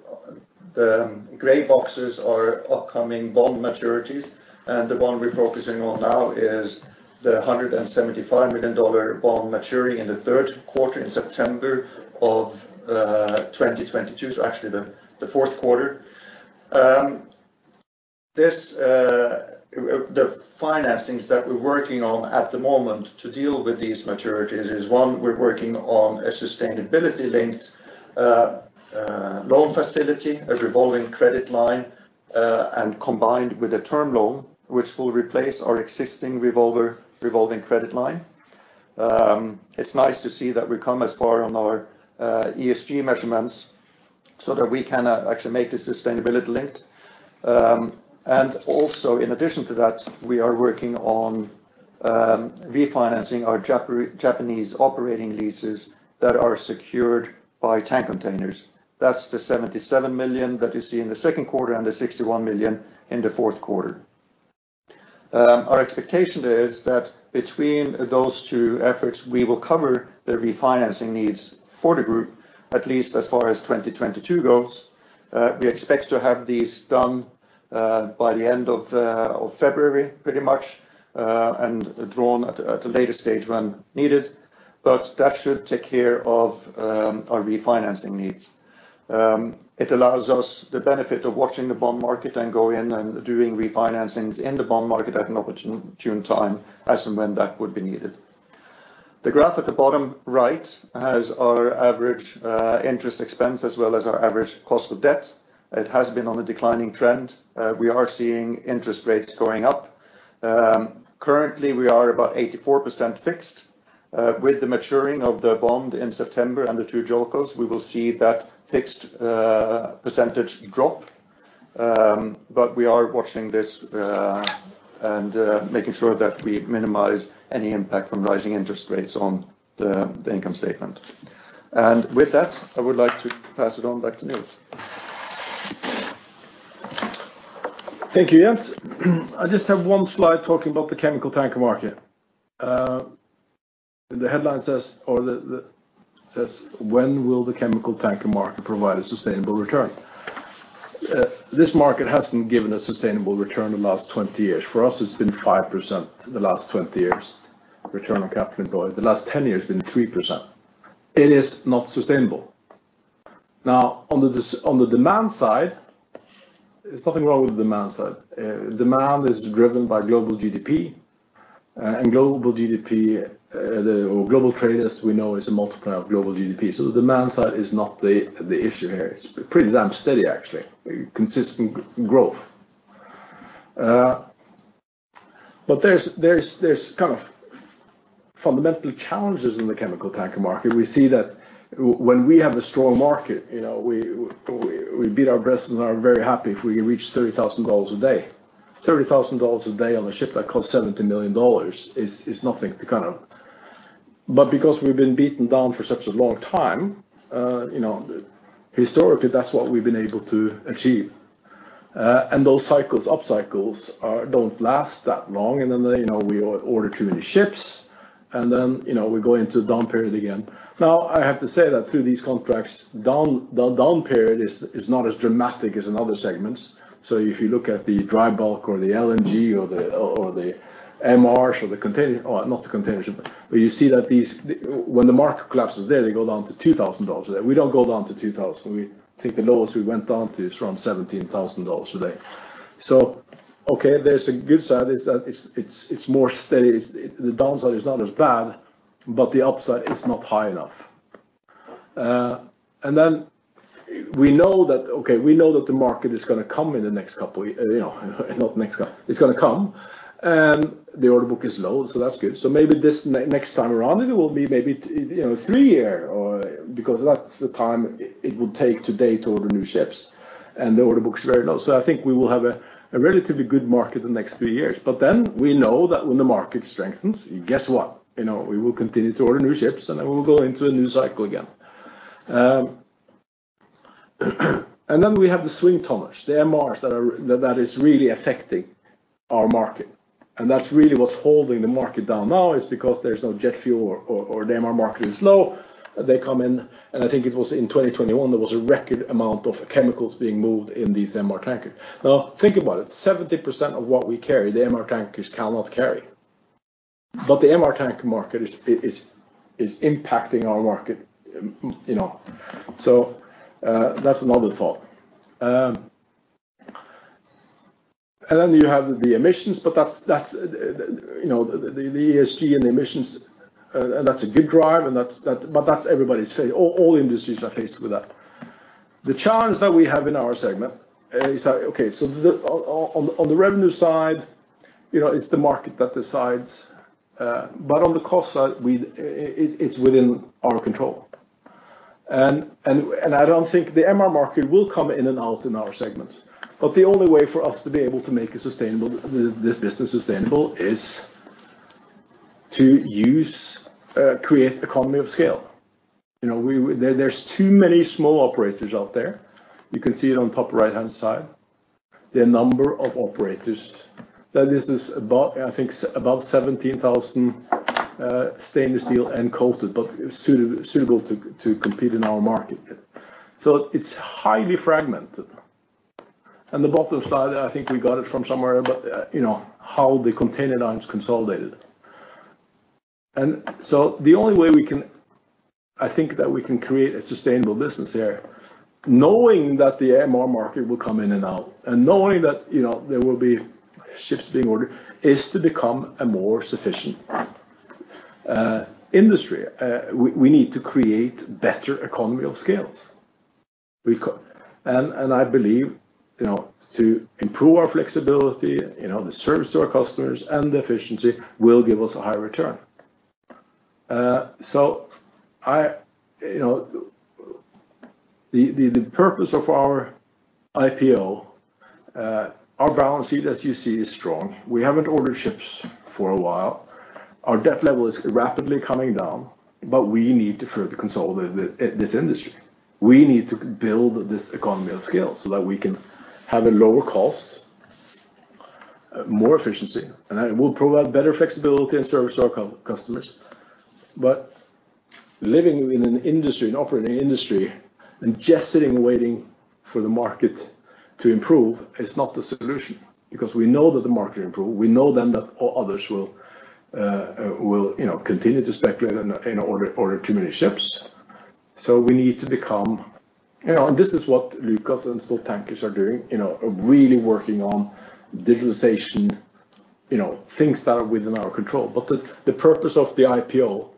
gray boxes are upcoming bond maturities, and the bond we're focusing on now is the $175 million bond maturing in the third quarter in September of 2022, so actually the fourth quarter. The financings that we're working on at the moment to deal with these maturities is one, we're working on a sustainability-linked loan facility, a revolving credit line, and combined with a term loan which will replace our existing revolving credit line. It's nice to see that we come as far on our ESG measurements so that we can actually make this sustainability-linked. Also in addition to that, we are working on refinancing our Japanese operating leases that are secured by tank containers. That's the $77 million that you see in the second quarter and the $61 million in the fourth quarter. Our expectation is that between those two efforts, we will cover the refinancing needs for the group, at least as far as 2022 goes. We expect to have these done by the end of February pretty much and drawn at a later stage when needed, but that should take care of our refinancing needs. It allows us the benefit of watching the bond market and go in and doing refinancings in the bond market at an opportune time as and when that would be needed. The graph at the bottom right has our average interest expense as well as our average cost of debt. It has been on a declining trend. We are seeing interest rates going up. Currently we are about 84% fixed. With the maturing of the bond in September and the two JOLCOs, we will see that fixed percentage drop. We are watching this and making sure that we minimize any impact from rising interest rates on the income statement. With that, I would like to pass it on back to Niels. Thank you, Jens. I just have one slide talking about the chemical tanker market. The headline says, "When will the chemical tanker market provide a sustainable return?" This market hasn't given a sustainable return the last 20 years. For us, it's been 5% the last 20 years return on capital employed. The last 10 years it's been 3%. It is not sustainable. Now, on the demand side, there's nothing wrong with the demand side. Demand is driven by global GDP, and global trade, as we know, is a multiplier of global GDP. So the demand side is not the issue here. It's pretty damn steady actually. Consistent growth. But there are kind of fundamental challenges in the chemical tanker market. We see that when we have a strong market, you know, we beat our breasts and are very happy if we can reach $30,000 a day. $30,000 a day on a ship that cost $70 million is nothing, kind of. Because we've been beaten down for such a long time, you know, historically that's what we've been able to achieve. Those cycles, up cycles don't last that long, and then, you know, we order too many ships and then, you know, we go into a down period again. Now I have to say that through these contracts, the down period is not as dramatic as in other segments. If you look at the dry bulk or the LNG or the MRs or the container, not the container ship. You see that when the market collapses there, they go down to $2,000 a day. We don't go down to $2,000. We think the lowest we went down to is around $17,000 a day. Okay, there's a good side is that it's more steady. The downside is not as bad, but the upside is not high enough. And then we know that the market is gonna come in the next couple years, you know, not next couple. It's gonna come. The order book is low, so that's good. Maybe this next time around it will be maybe, you know, three years or because that's the time it would take today to order new ships and the order book is very low. I think we will have a relatively good market the next three years. Then we know that when the market strengthens, guess what? You know, we will continue to order new ships and then we will go into a new cycle again. We have the swing tonnage, the MRs that are really affecting our market. That's really what's holding the market down now is because there's no jet fuel or the MR market is low. They come in, and I think it was in 2021, there was a record amount of chemicals being moved in these MR tanker. Now think about it, 70% of what we carry, the MR tankers cannot carry. The MR tanker market is impacting our market, you know. That's another thought. Then you have the emissions, but that's you know the ESG and the emissions, and that's a good driver, but that's everybody's focus. All industries are faced with that. The challenge that we have in our segment is that, okay, so on the revenue side, you know, it's the market that decides, but on the cost side, we, it's within our control. I don't think the MR market will come into our segment. The only way for us to be able to make this business sustainable is to create economies of scale. You know, there's too many small operators out there. You can see it on top right-hand side. The number of operators. Now this is above, I think, above 17,000 stainless steel and coated, but suitable to compete in our market. It's highly fragmented. The bottom side, I think we got it from somewhere, but you know how the container lines consolidated. The only way we can, I think that we can create a sustainable business here, knowing that the MR market will come in and out and knowing that, you know, there will be ships being ordered, is to become a more efficient industry. We need to create better economies of scale. I believe, you know, to improve our flexibility, you know, the service to our customers and the efficiency will give us a high return. I, you know, the purpose of our IPO, our balance sheet as you see, is strong. We haven't ordered ships for a while. Our debt level is rapidly coming down. We need to further consolidate this industry. We need to build this economy of scale so that we can have a lower cost, more efficiency, and it will provide better flexibility and service to our customers. Living in an industry and operating industry and just sitting waiting for the market to improve is not the solution. Because we know that the market improve, we know then that others will, you know, continue to speculate and order too many ships. We need to become you know, and this is what Lucas and Stolt Tankers are doing, you know, really working on digitalization, you know, things that are within our control. The purpose of the IPO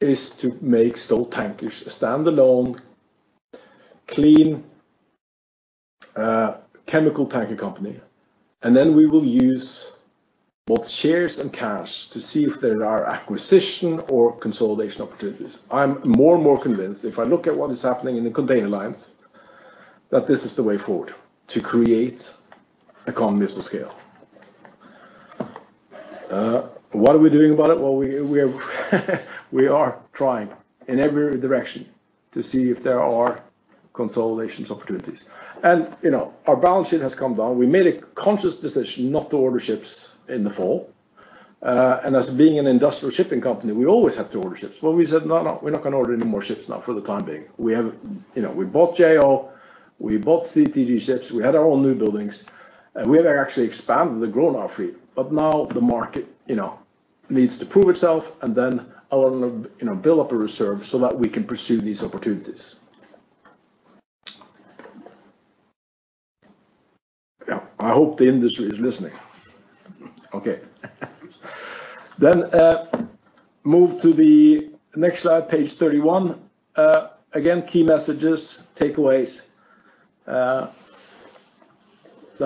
is to make Stolt Tankers a standalone clean chemical tanker company. Then we will use both shares and cash to see if there are acquisition or consolidation opportunities. I'm more and more convinced if I look at what is happening in the container lines, that this is the way forward, to create economies of scale. What are we doing about it? Well, we are trying in every direction to see if there are consolidation opportunities. You know, our balance sheet has come down. We made a conscious decision not to order ships in the fall. As being an industrial shipping company, we always have to order ships. Well, we said, "No, no, we're not gonna order any more ships now for the time being." We have, you know, we bought Jo, we bought CTG ships, we had our own new buildings, and we have actually expanded and grown our fleet. Now the market, you know, needs to prove itself, and then I wanna, you know, build up a reserve so that we can pursue these opportunities. Yeah, I hope the industry is listening. Okay. Move to the next slide, page 31. Again, key messages, takeaways. The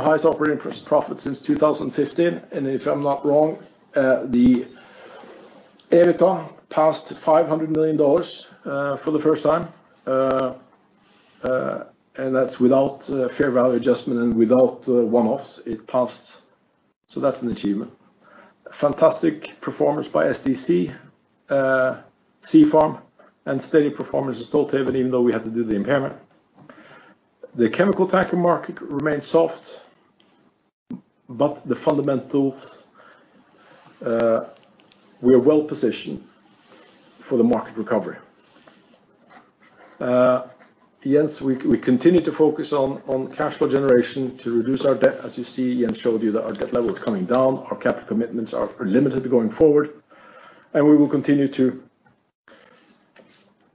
highest operating profit since 2015, and if I'm not wrong, the EBITDA passed $500 million for the first time. And that's without fair value adjustment and without one-offs, it passed, so that's an achievement. Fantastic performance by SDC, Sea Farm, and steady performance in Stolthaven even though we had to do the impairment. The chemical tanker market remains soft, but the fundamentals, we are well positioned for the market recovery. Yes, we continue to focus on cash flow generation to reduce our debt. As you see, I showed you that our debt level is coming down. Our capital commitments are limited going forward. We will continue to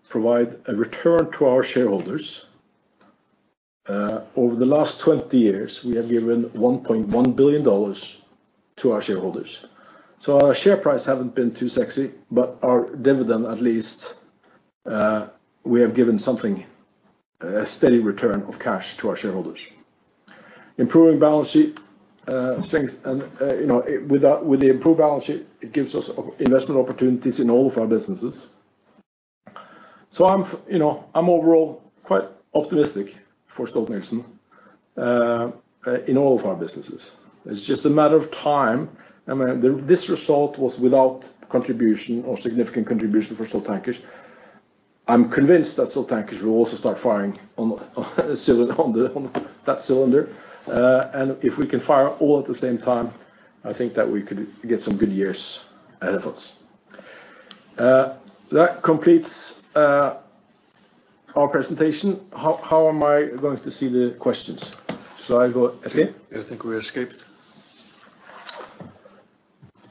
provide a return to our shareholders. Over the last 20 years, we have given $1.1 billion to our shareholders. Our share price haven't been too sexy, but our dividend at least, we have given something, a steady return of cash to our shareholders. Improving balance sheet strengths and, you know, with the improved balance sheet, it gives us investment opportunities in all of our businesses. I'm, you know, overall quite optimistic for Stolthaven in all of our businesses. It's just a matter of time. I mean, this result was without contribution or significant contribution for Stolt Tankers. I'm convinced that Stolt Tankers will also start firing on all cylinders. If we can fire all at the same time, I think that we could get some good years ahead of us. That completes our presentation. How am I going to see the questions? Shall I go again? I think we escaped.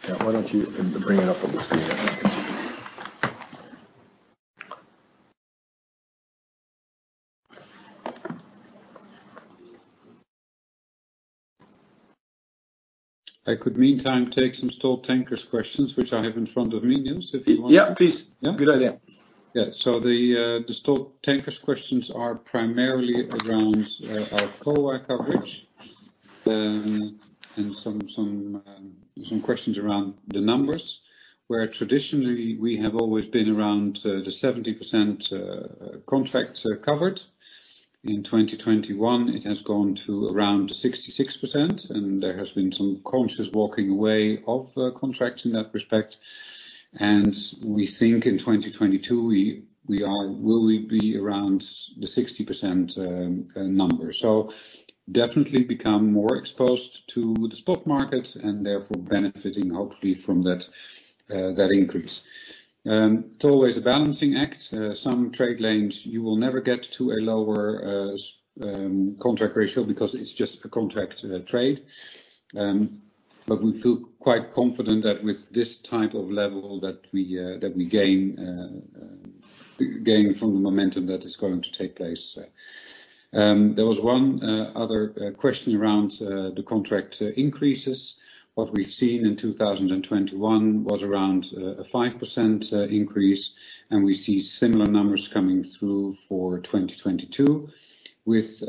Yeah. Why don't you bring it up on the screen? Then I can see. I could meantime take some Stolt Tankers questions, which I have in front of me, Niels, if you want. Yeah, please. Yeah. Good idea. The Stolt Tankers questions are primarily around our contract coverage and some questions around the numbers, where traditionally we have always been around the 70% contract coverage. In 2021, it has gone to around 66%, and there has been some conscious walking away of contracts in that respect. We think in 2022, we will be around the 60% number. We definitely become more exposed to the spot market and therefore benefiting hopefully from that increase. It's always a balancing act. Some trade lanes, you will never get to a lower contract ratio because it's just a contract trade. We feel quite confident that with this type of level that we gain from the momentum that is going to take place. There was one other question around the contract increases. What we've seen in 2021 was around a 5% increase, and we see similar numbers coming through for 2022 with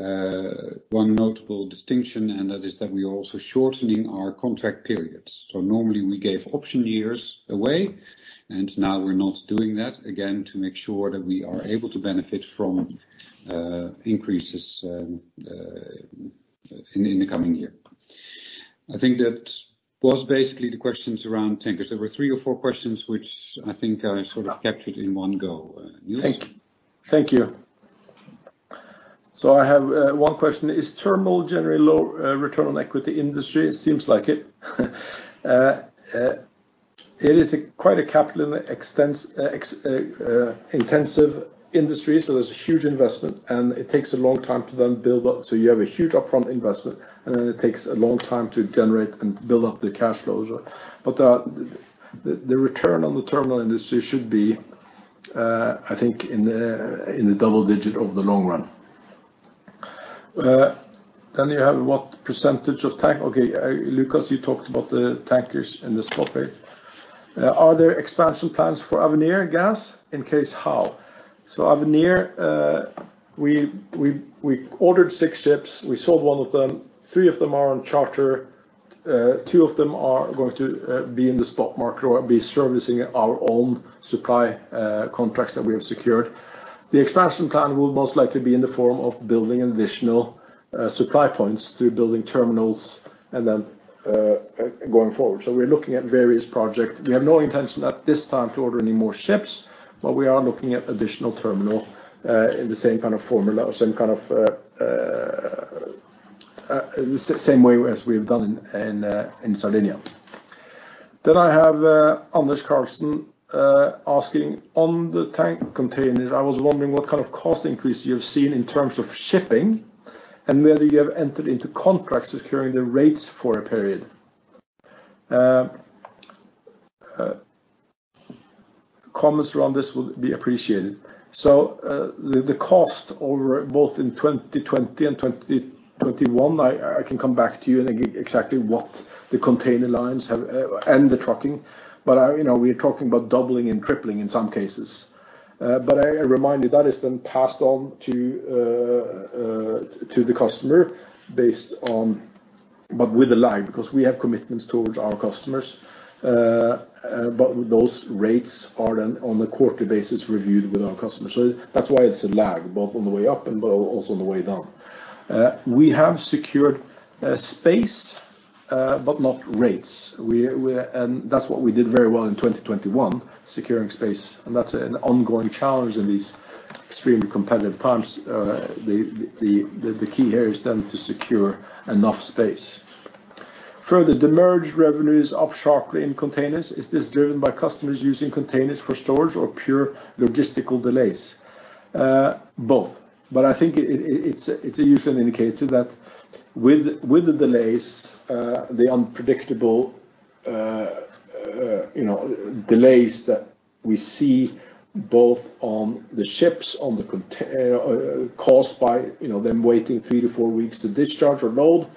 one notable distinction, and that is that we are also shortening our contract periods. Normally we gave option years away, and now we're not doing that, again, to make sure that we are able to benefit from increases in the coming year. I think that was basically the questions around tankers. There were three or four questions which I think I sort of captured in one go, Nils. Thank you. I have one question. Is terminal generally low return on equity industry? It seems like it. It is quite a capital intensive industry, so there's huge investment, and it takes a long time to then build up. You have a huge upfront investment, and then it takes a long time to generate and build up the cash flows. But the return on the terminal industry should be, I think, in the double digit over the long run. Then you have what percentage of tank. Okay. Lucas, you talked about the tankers in the spot rate. Are there expansion plans for Avenir LNG? In that case, how? Avenir, we ordered six ships, we sold one of them. Three of them are on charter. Two of them are going to be in the spot market or be servicing our own supply contracts that we have secured. The expansion plan will most likely be in the form of building additional supply points through building terminals and then going forward. We're looking at various project. We have no intention at this time to order any more ships, but we are looking at additional terminal in the same kind of formula or same kind of the same way as we've done in Sardinia. I have Anders Karlsen asking on the tank containers. I was wondering what kind of cost increase you have seen in terms of shipping, and whether you have entered into contracts securing the rates for a period. Comments around this would be appreciated. The cost over both in 2020 and 2021, I can come back to you on exactly what the container lines have, and the trucking, but you know, we're talking about doubling and tripling in some cases. I remind you, that is then passed on to the customer, but with a lag, because we have commitments towards our customers. Those rates are then on a quarterly basis reviewed with our customers. That's why it's a lag, both on the way up and also on the way down. We have secured space, but not rates. That's what we did very well in 2021, securing space, and that's an ongoing challenge in these extremely competitive times. The key here is then to secure enough space. Further, demurrage revenues up sharply in containers. Is this driven by customers using containers for storage or pure logistical delays? Both, but I think it's usually an indicator that with the delays, the unpredictable, you know, delays that we see both on the ships, caused by, you know, them waiting three to four weeks to discharge or load,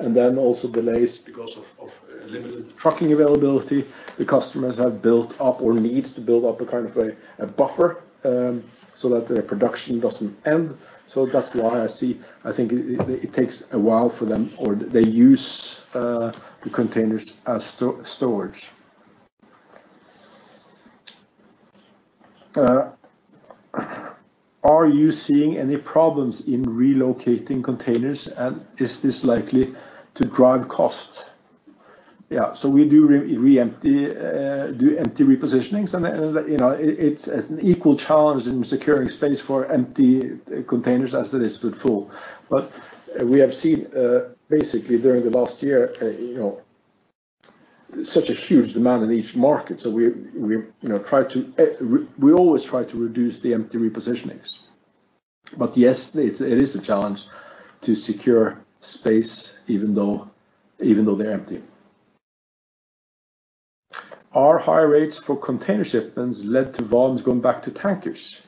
and then also delays because of limited trucking availability, the customers have built up or needs to build up a kind of a buffer, so that their production doesn't end. That's why I see. I think it takes a while for them, or they use the containers as storage. Are you seeing any problems in relocating containers, and is this likely to drive cost? Yeah. We do empty repositionings, and you know it's as an equal challenge in securing space for empty containers as it is with full. But we have seen basically during the last year you know such a huge demand in each market. We always try to reduce the empty repositionings. But yes it is a challenge to secure space even though they're empty. Have high rates for container shipments led to volumes going back to tankers?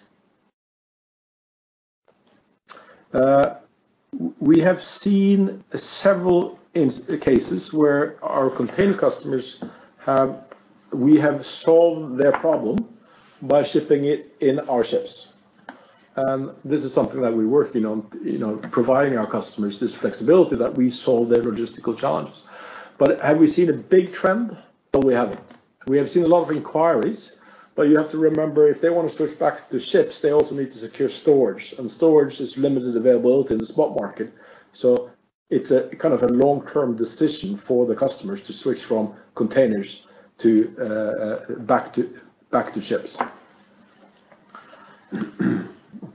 We have seen several cases where our container customers have we have solved their problem by shipping it in our ships. This is something that we're working on, you know, providing our customers this flexibility that we solve their logistical challenges. Have we seen a big trend? No, we haven't. We have seen a lot of inquiries, but you have to remember, if they wanna switch back to ships, they also need to secure storage, and storage is limited availability in the spot market. It's a kind of a long-term decision for the customers to switch from containers to back to ships.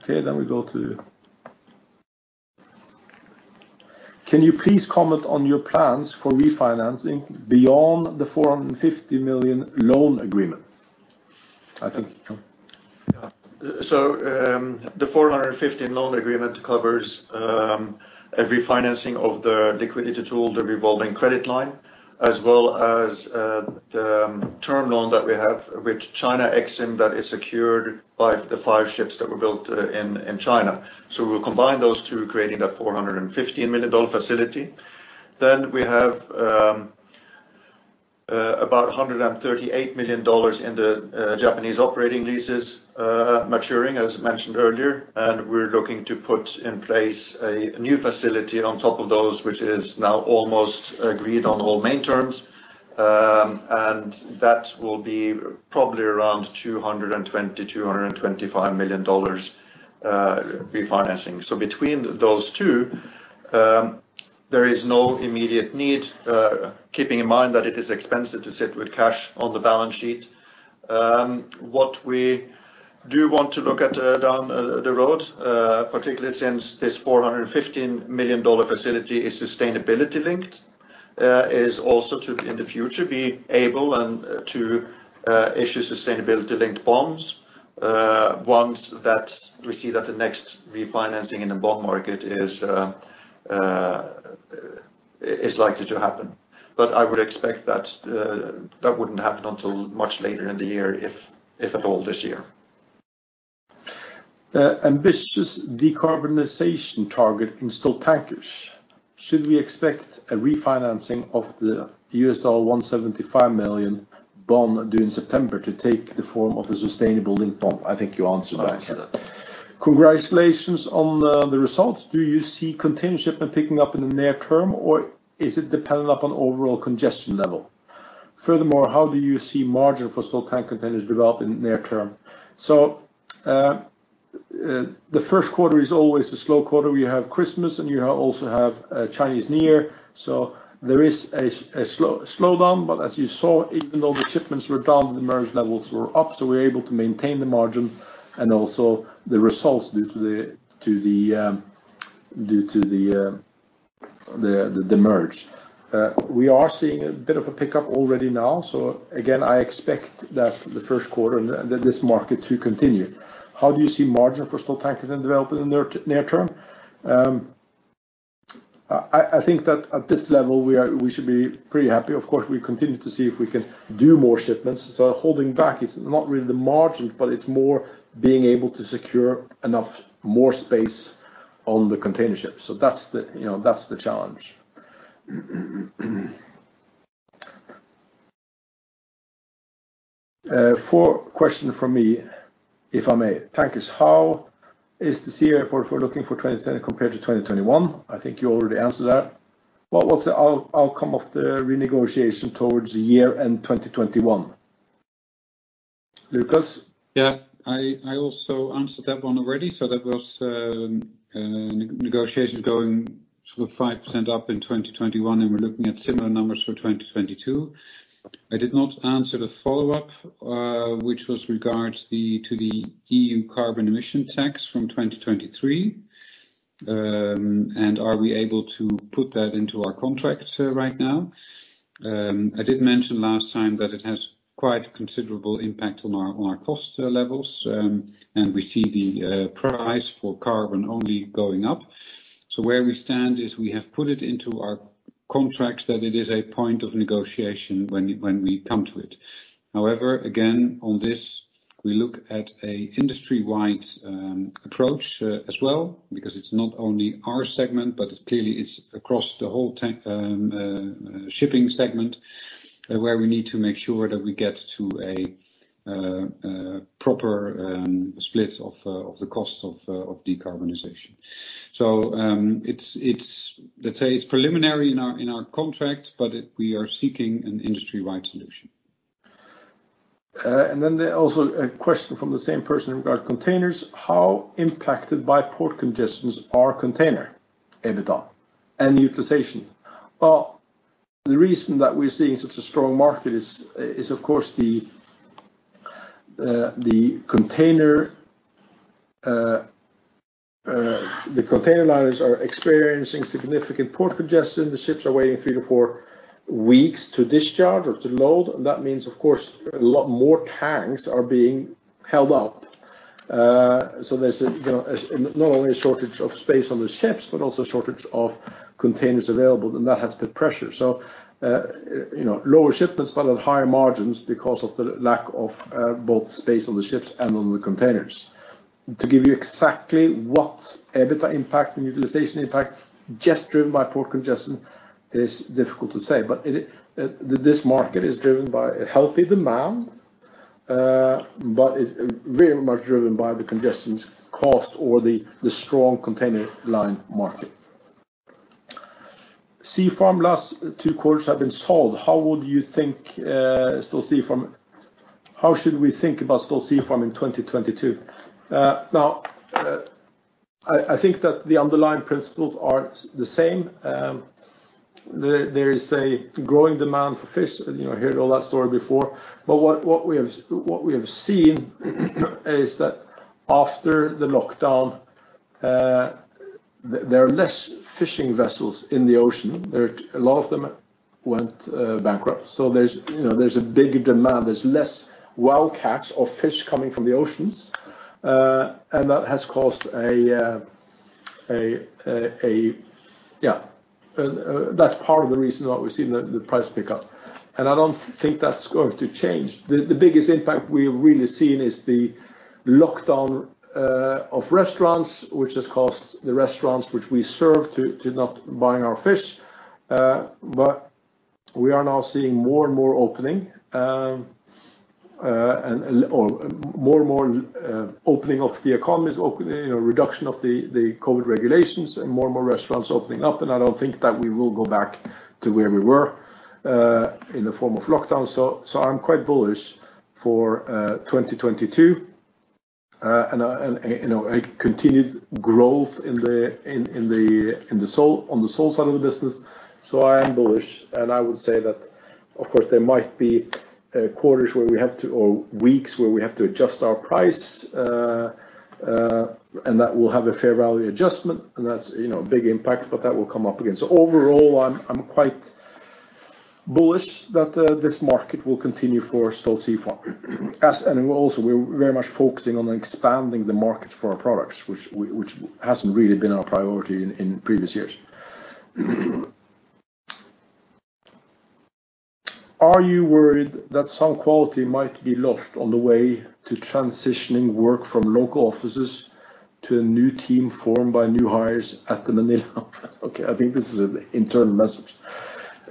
We go to. Can you please comment on your plans for refinancing beyond the $450 million loan agreement? I think. Yeah. The 450 loan agreement covers every financing of the liquidity tool, the revolving credit line, as well as the term loan that we have with China Exim that is secured by the five ships that were built in China. We combine those two, creating that $450 million facility. We have about $138 million in the Japanese operating leases maturing, as mentioned earlier. We're looking to put in place a new facility on top of those, which is now almost agreed on all main terms. That will be probably around $220-$225 million, refinancing. Between those two, there is no immediate need, keeping in mind that it is expensive to sit with cash on the balance sheet. What we do want to look at down the road, particularly since this $450 million facility is sustainability-linked, is also to, in the future, be able and to issue sustainability-linked bonds, once that we see that the next refinancing in the bond market is likely to happen. But I would expect that that wouldn't happen until much later in the year, if at all this year. The ambitious decarbonization target in Stolt Tankers, should we expect a refinancing of the $175 million bond due in September to take the form of a sustainable linked bond? I think you answered that. I answered that. Congratulations on the results. Do you see container shipping picking up in the near term, or is it dependent upon overall congestion level? Furthermore, how do you see margin for Stolt Tank Containers developing near term? The first quarter is always a slow quarter. You have Christmas, and you also have Chinese New Year, so there is a slowdown. As you saw, even though the shipments were down, the margins levels were up. We were able to maintain the margin and also the results due to the margins. We are seeing a bit of a pickup already now. I expect that the first quarter and that this market to continue. How do you see margin for Stolt Tankers then developing in the near term? I think that at this level we should be pretty happy. Of course, we continue to see if we can do more shipments, so holding back is not really the margin, but it's more being able to secure enough more space on the container ship. That's the, you know, that's the challenge. Fourth question from me, if I may. Tankers, how is the SEER report looking for 2020 compared to 2021? I think you already answered that. What was the outcome of the renegotiation towards the year-end, 2021? Lucas? Yeah. I also answered that one already. That was negotiations going sort of 5% up in 2021, and we're looking at similar numbers for 2022. I did not answer the follow-up, which was regarding the EU carbon emission tax from 2023. Are we able to put that into our contracts right now? I did mention last time that it has quite considerable impact on our cost levels. We see the price for carbon only going up. Where we stand is we have put it into our contracts that it is a point of negotiation when we come to it. However, again, on this, we look at an industry-wide approach as well, because it's not only our segment, but clearly it's across the whole shipping segment where we need to make sure that we get to a proper split of the costs of decarbonization. It's, let's say, preliminary in our contract, but we are seeking an industry-wide solution. There's also a question from the same person regarding containers. How impacted by port congestion are container EBITDA and utilization? Well, the reason that we're seeing such a strong market is of course the container. The container lines are experiencing significant port congestion. The ships are waiting three to four weeks to discharge or to load. That means, of course, a lot more tanks are being held up. So there's, you know, not only a shortage of space on the ships, but also a shortage of containers available. That has put pressure. You know, lower shipments but at higher margins because of the lack of both space on the ships and on the containers. To give you exactly what EBITDA impact and utilization impact just driven by port congestion is difficult to say. This market is driven by a healthy demand, but it's very much driven by the congestion costs or the strong container line market. Stolt Sea Farm last two quarters have been sold. How should we think about Stolt Sea Farm in 2022? Now, I think that the underlying principles are the same. There is a growing demand for fish. You know, I heard all that story before. What we have seen is that after the lockdown, there are less fishing vessels in the ocean. A lot of them went bankrupt. So there's a bigger demand. There's less wild catch of fish coming from the oceans, and that has caused a greater demand. That's part of the reason why we've seen the price pick up, and I don't think that's going to change. The biggest impact we have really seen is the lockdown of restaurants, which has caused the restaurants which we serve to not buying our fish. But we are now seeing more and more opening or more and more opening of the economies, opening, you know, reduction of the COVID regulations and more and more restaurants opening up. I don't think that we will go back to where we were in the form of lockdown. I'm quite bullish for 2022 and you know, a continued growth in the sole— on the sole side of the business. I am bullish, and I would say that, of course, there might be quarters where we have to, or weeks where we have to adjust our price, and that will have a fair value adjustment, and that's, you know, a big impact, but that will come up again. Overall, I'm quite bullish that this market will continue for Stolt Sea Farm. We're also very much focusing on expanding the market for our products, which hasn't really been our priority in previous years. Are you worried that some quality might be lost on the way to transitioning work from local offices to a new team formed by new hires at the Manila office? Okay, I think this is an internal message.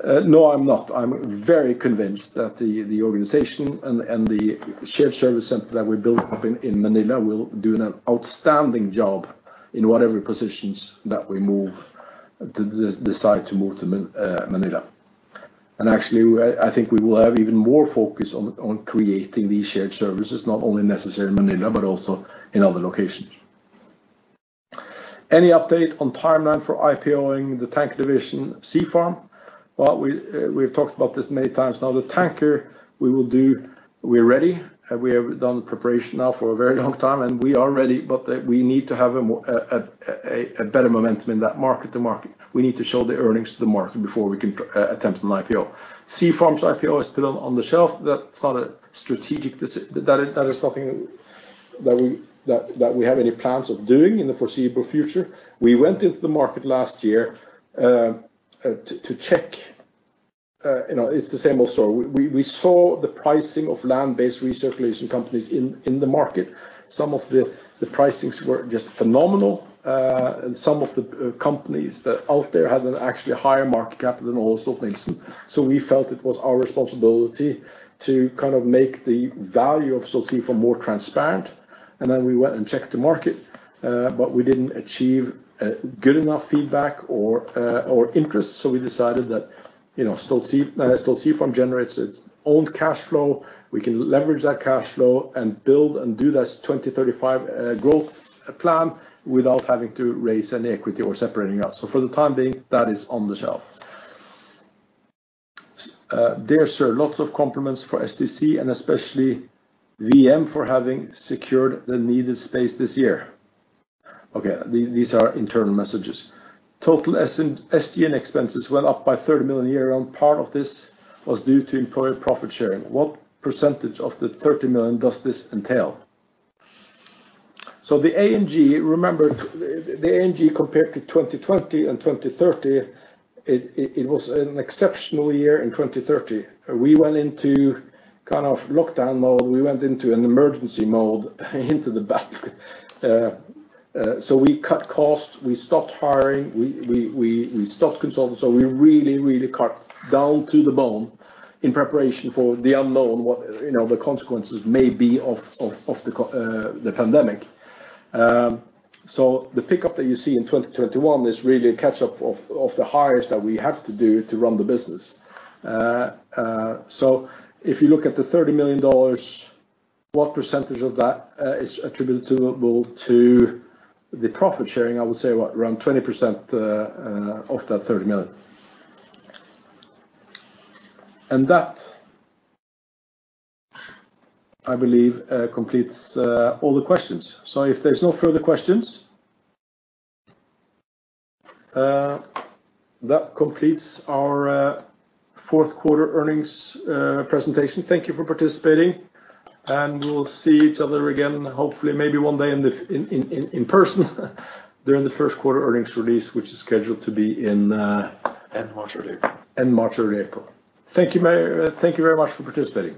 No, I'm not. I'm very convinced that the organization and the shared service center that we're building up in Manila will do an outstanding job in whatever positions that we decide to move to Manila. Actually, I think we will have even more focus on creating these shared services, not only necessarily in Manila, but also in other locations. Any update on timeline for IPO-ing the tanker division, Sea Farm? Well, we've talked about this many times now. The tanker we will do. We're ready. We have done the preparation now for a very long time, and we are ready, but we need to have a better momentum in that market to market. We need to show the earnings to the market before we can attempt an IPO. Stolt Sea Farm's IPO is put on the shelf. That's not a strategic decision. That is something that we don't have any plans of doing in the foreseeable future. We went into the market last year to check. You know, it's the same old story. We saw the pricing of land-based recirculation companies in the market. Some of the pricings were just phenomenal. Some of the companies out there had actually higher market cap than all of Stolt-Nielsen. We felt it was our responsibility to kind of make the value of Stolt Sea Farm more transparent. We went and checked the market, but we didn't achieve good enough feedback or interest, so we decided that, you know, Stolt Sea Farm generates its own cash flow. We can leverage that cash flow and build and do that 2035 growth plan without having to raise any equity or separating out. For the time being, that is on the shelf. Dear sir, lots of compliments for SDC and especially VM for having secured the needed space this year. Okay, these are internal messages. Total SG&A expenses went up by $30 million year-on-year. Part of this was due to employee profit-sharing. What percentage of the $30 million does this entail? The SG&A, remember, the SG&A compared to 2020 and 2021, it was an exceptional year in 2020. We went into kind of lockdown mode. We went into an emergency mode in the pandemic. We cut costs, we stopped hiring, we stopped consulting. We really, really cut down to the bone in preparation for the unknown, you know, the consequences may be of the pandemic. The pickup that you see in 2021 is really a catch-up of the hires that we have to do to run the business. If you look at the $30 million, what percentage of that is attributable to the profit sharing? I would say around 20% of that $30 million. That, I believe, completes all the questions. If there's no further questions, that completes our fourth quarter earnings presentation. Thank you for participating, and we'll see each other again, hopefully, maybe one day in person during the first quarter earnings release, which is scheduled to be in End March, early April. End March, early April. Thank you very much for participating.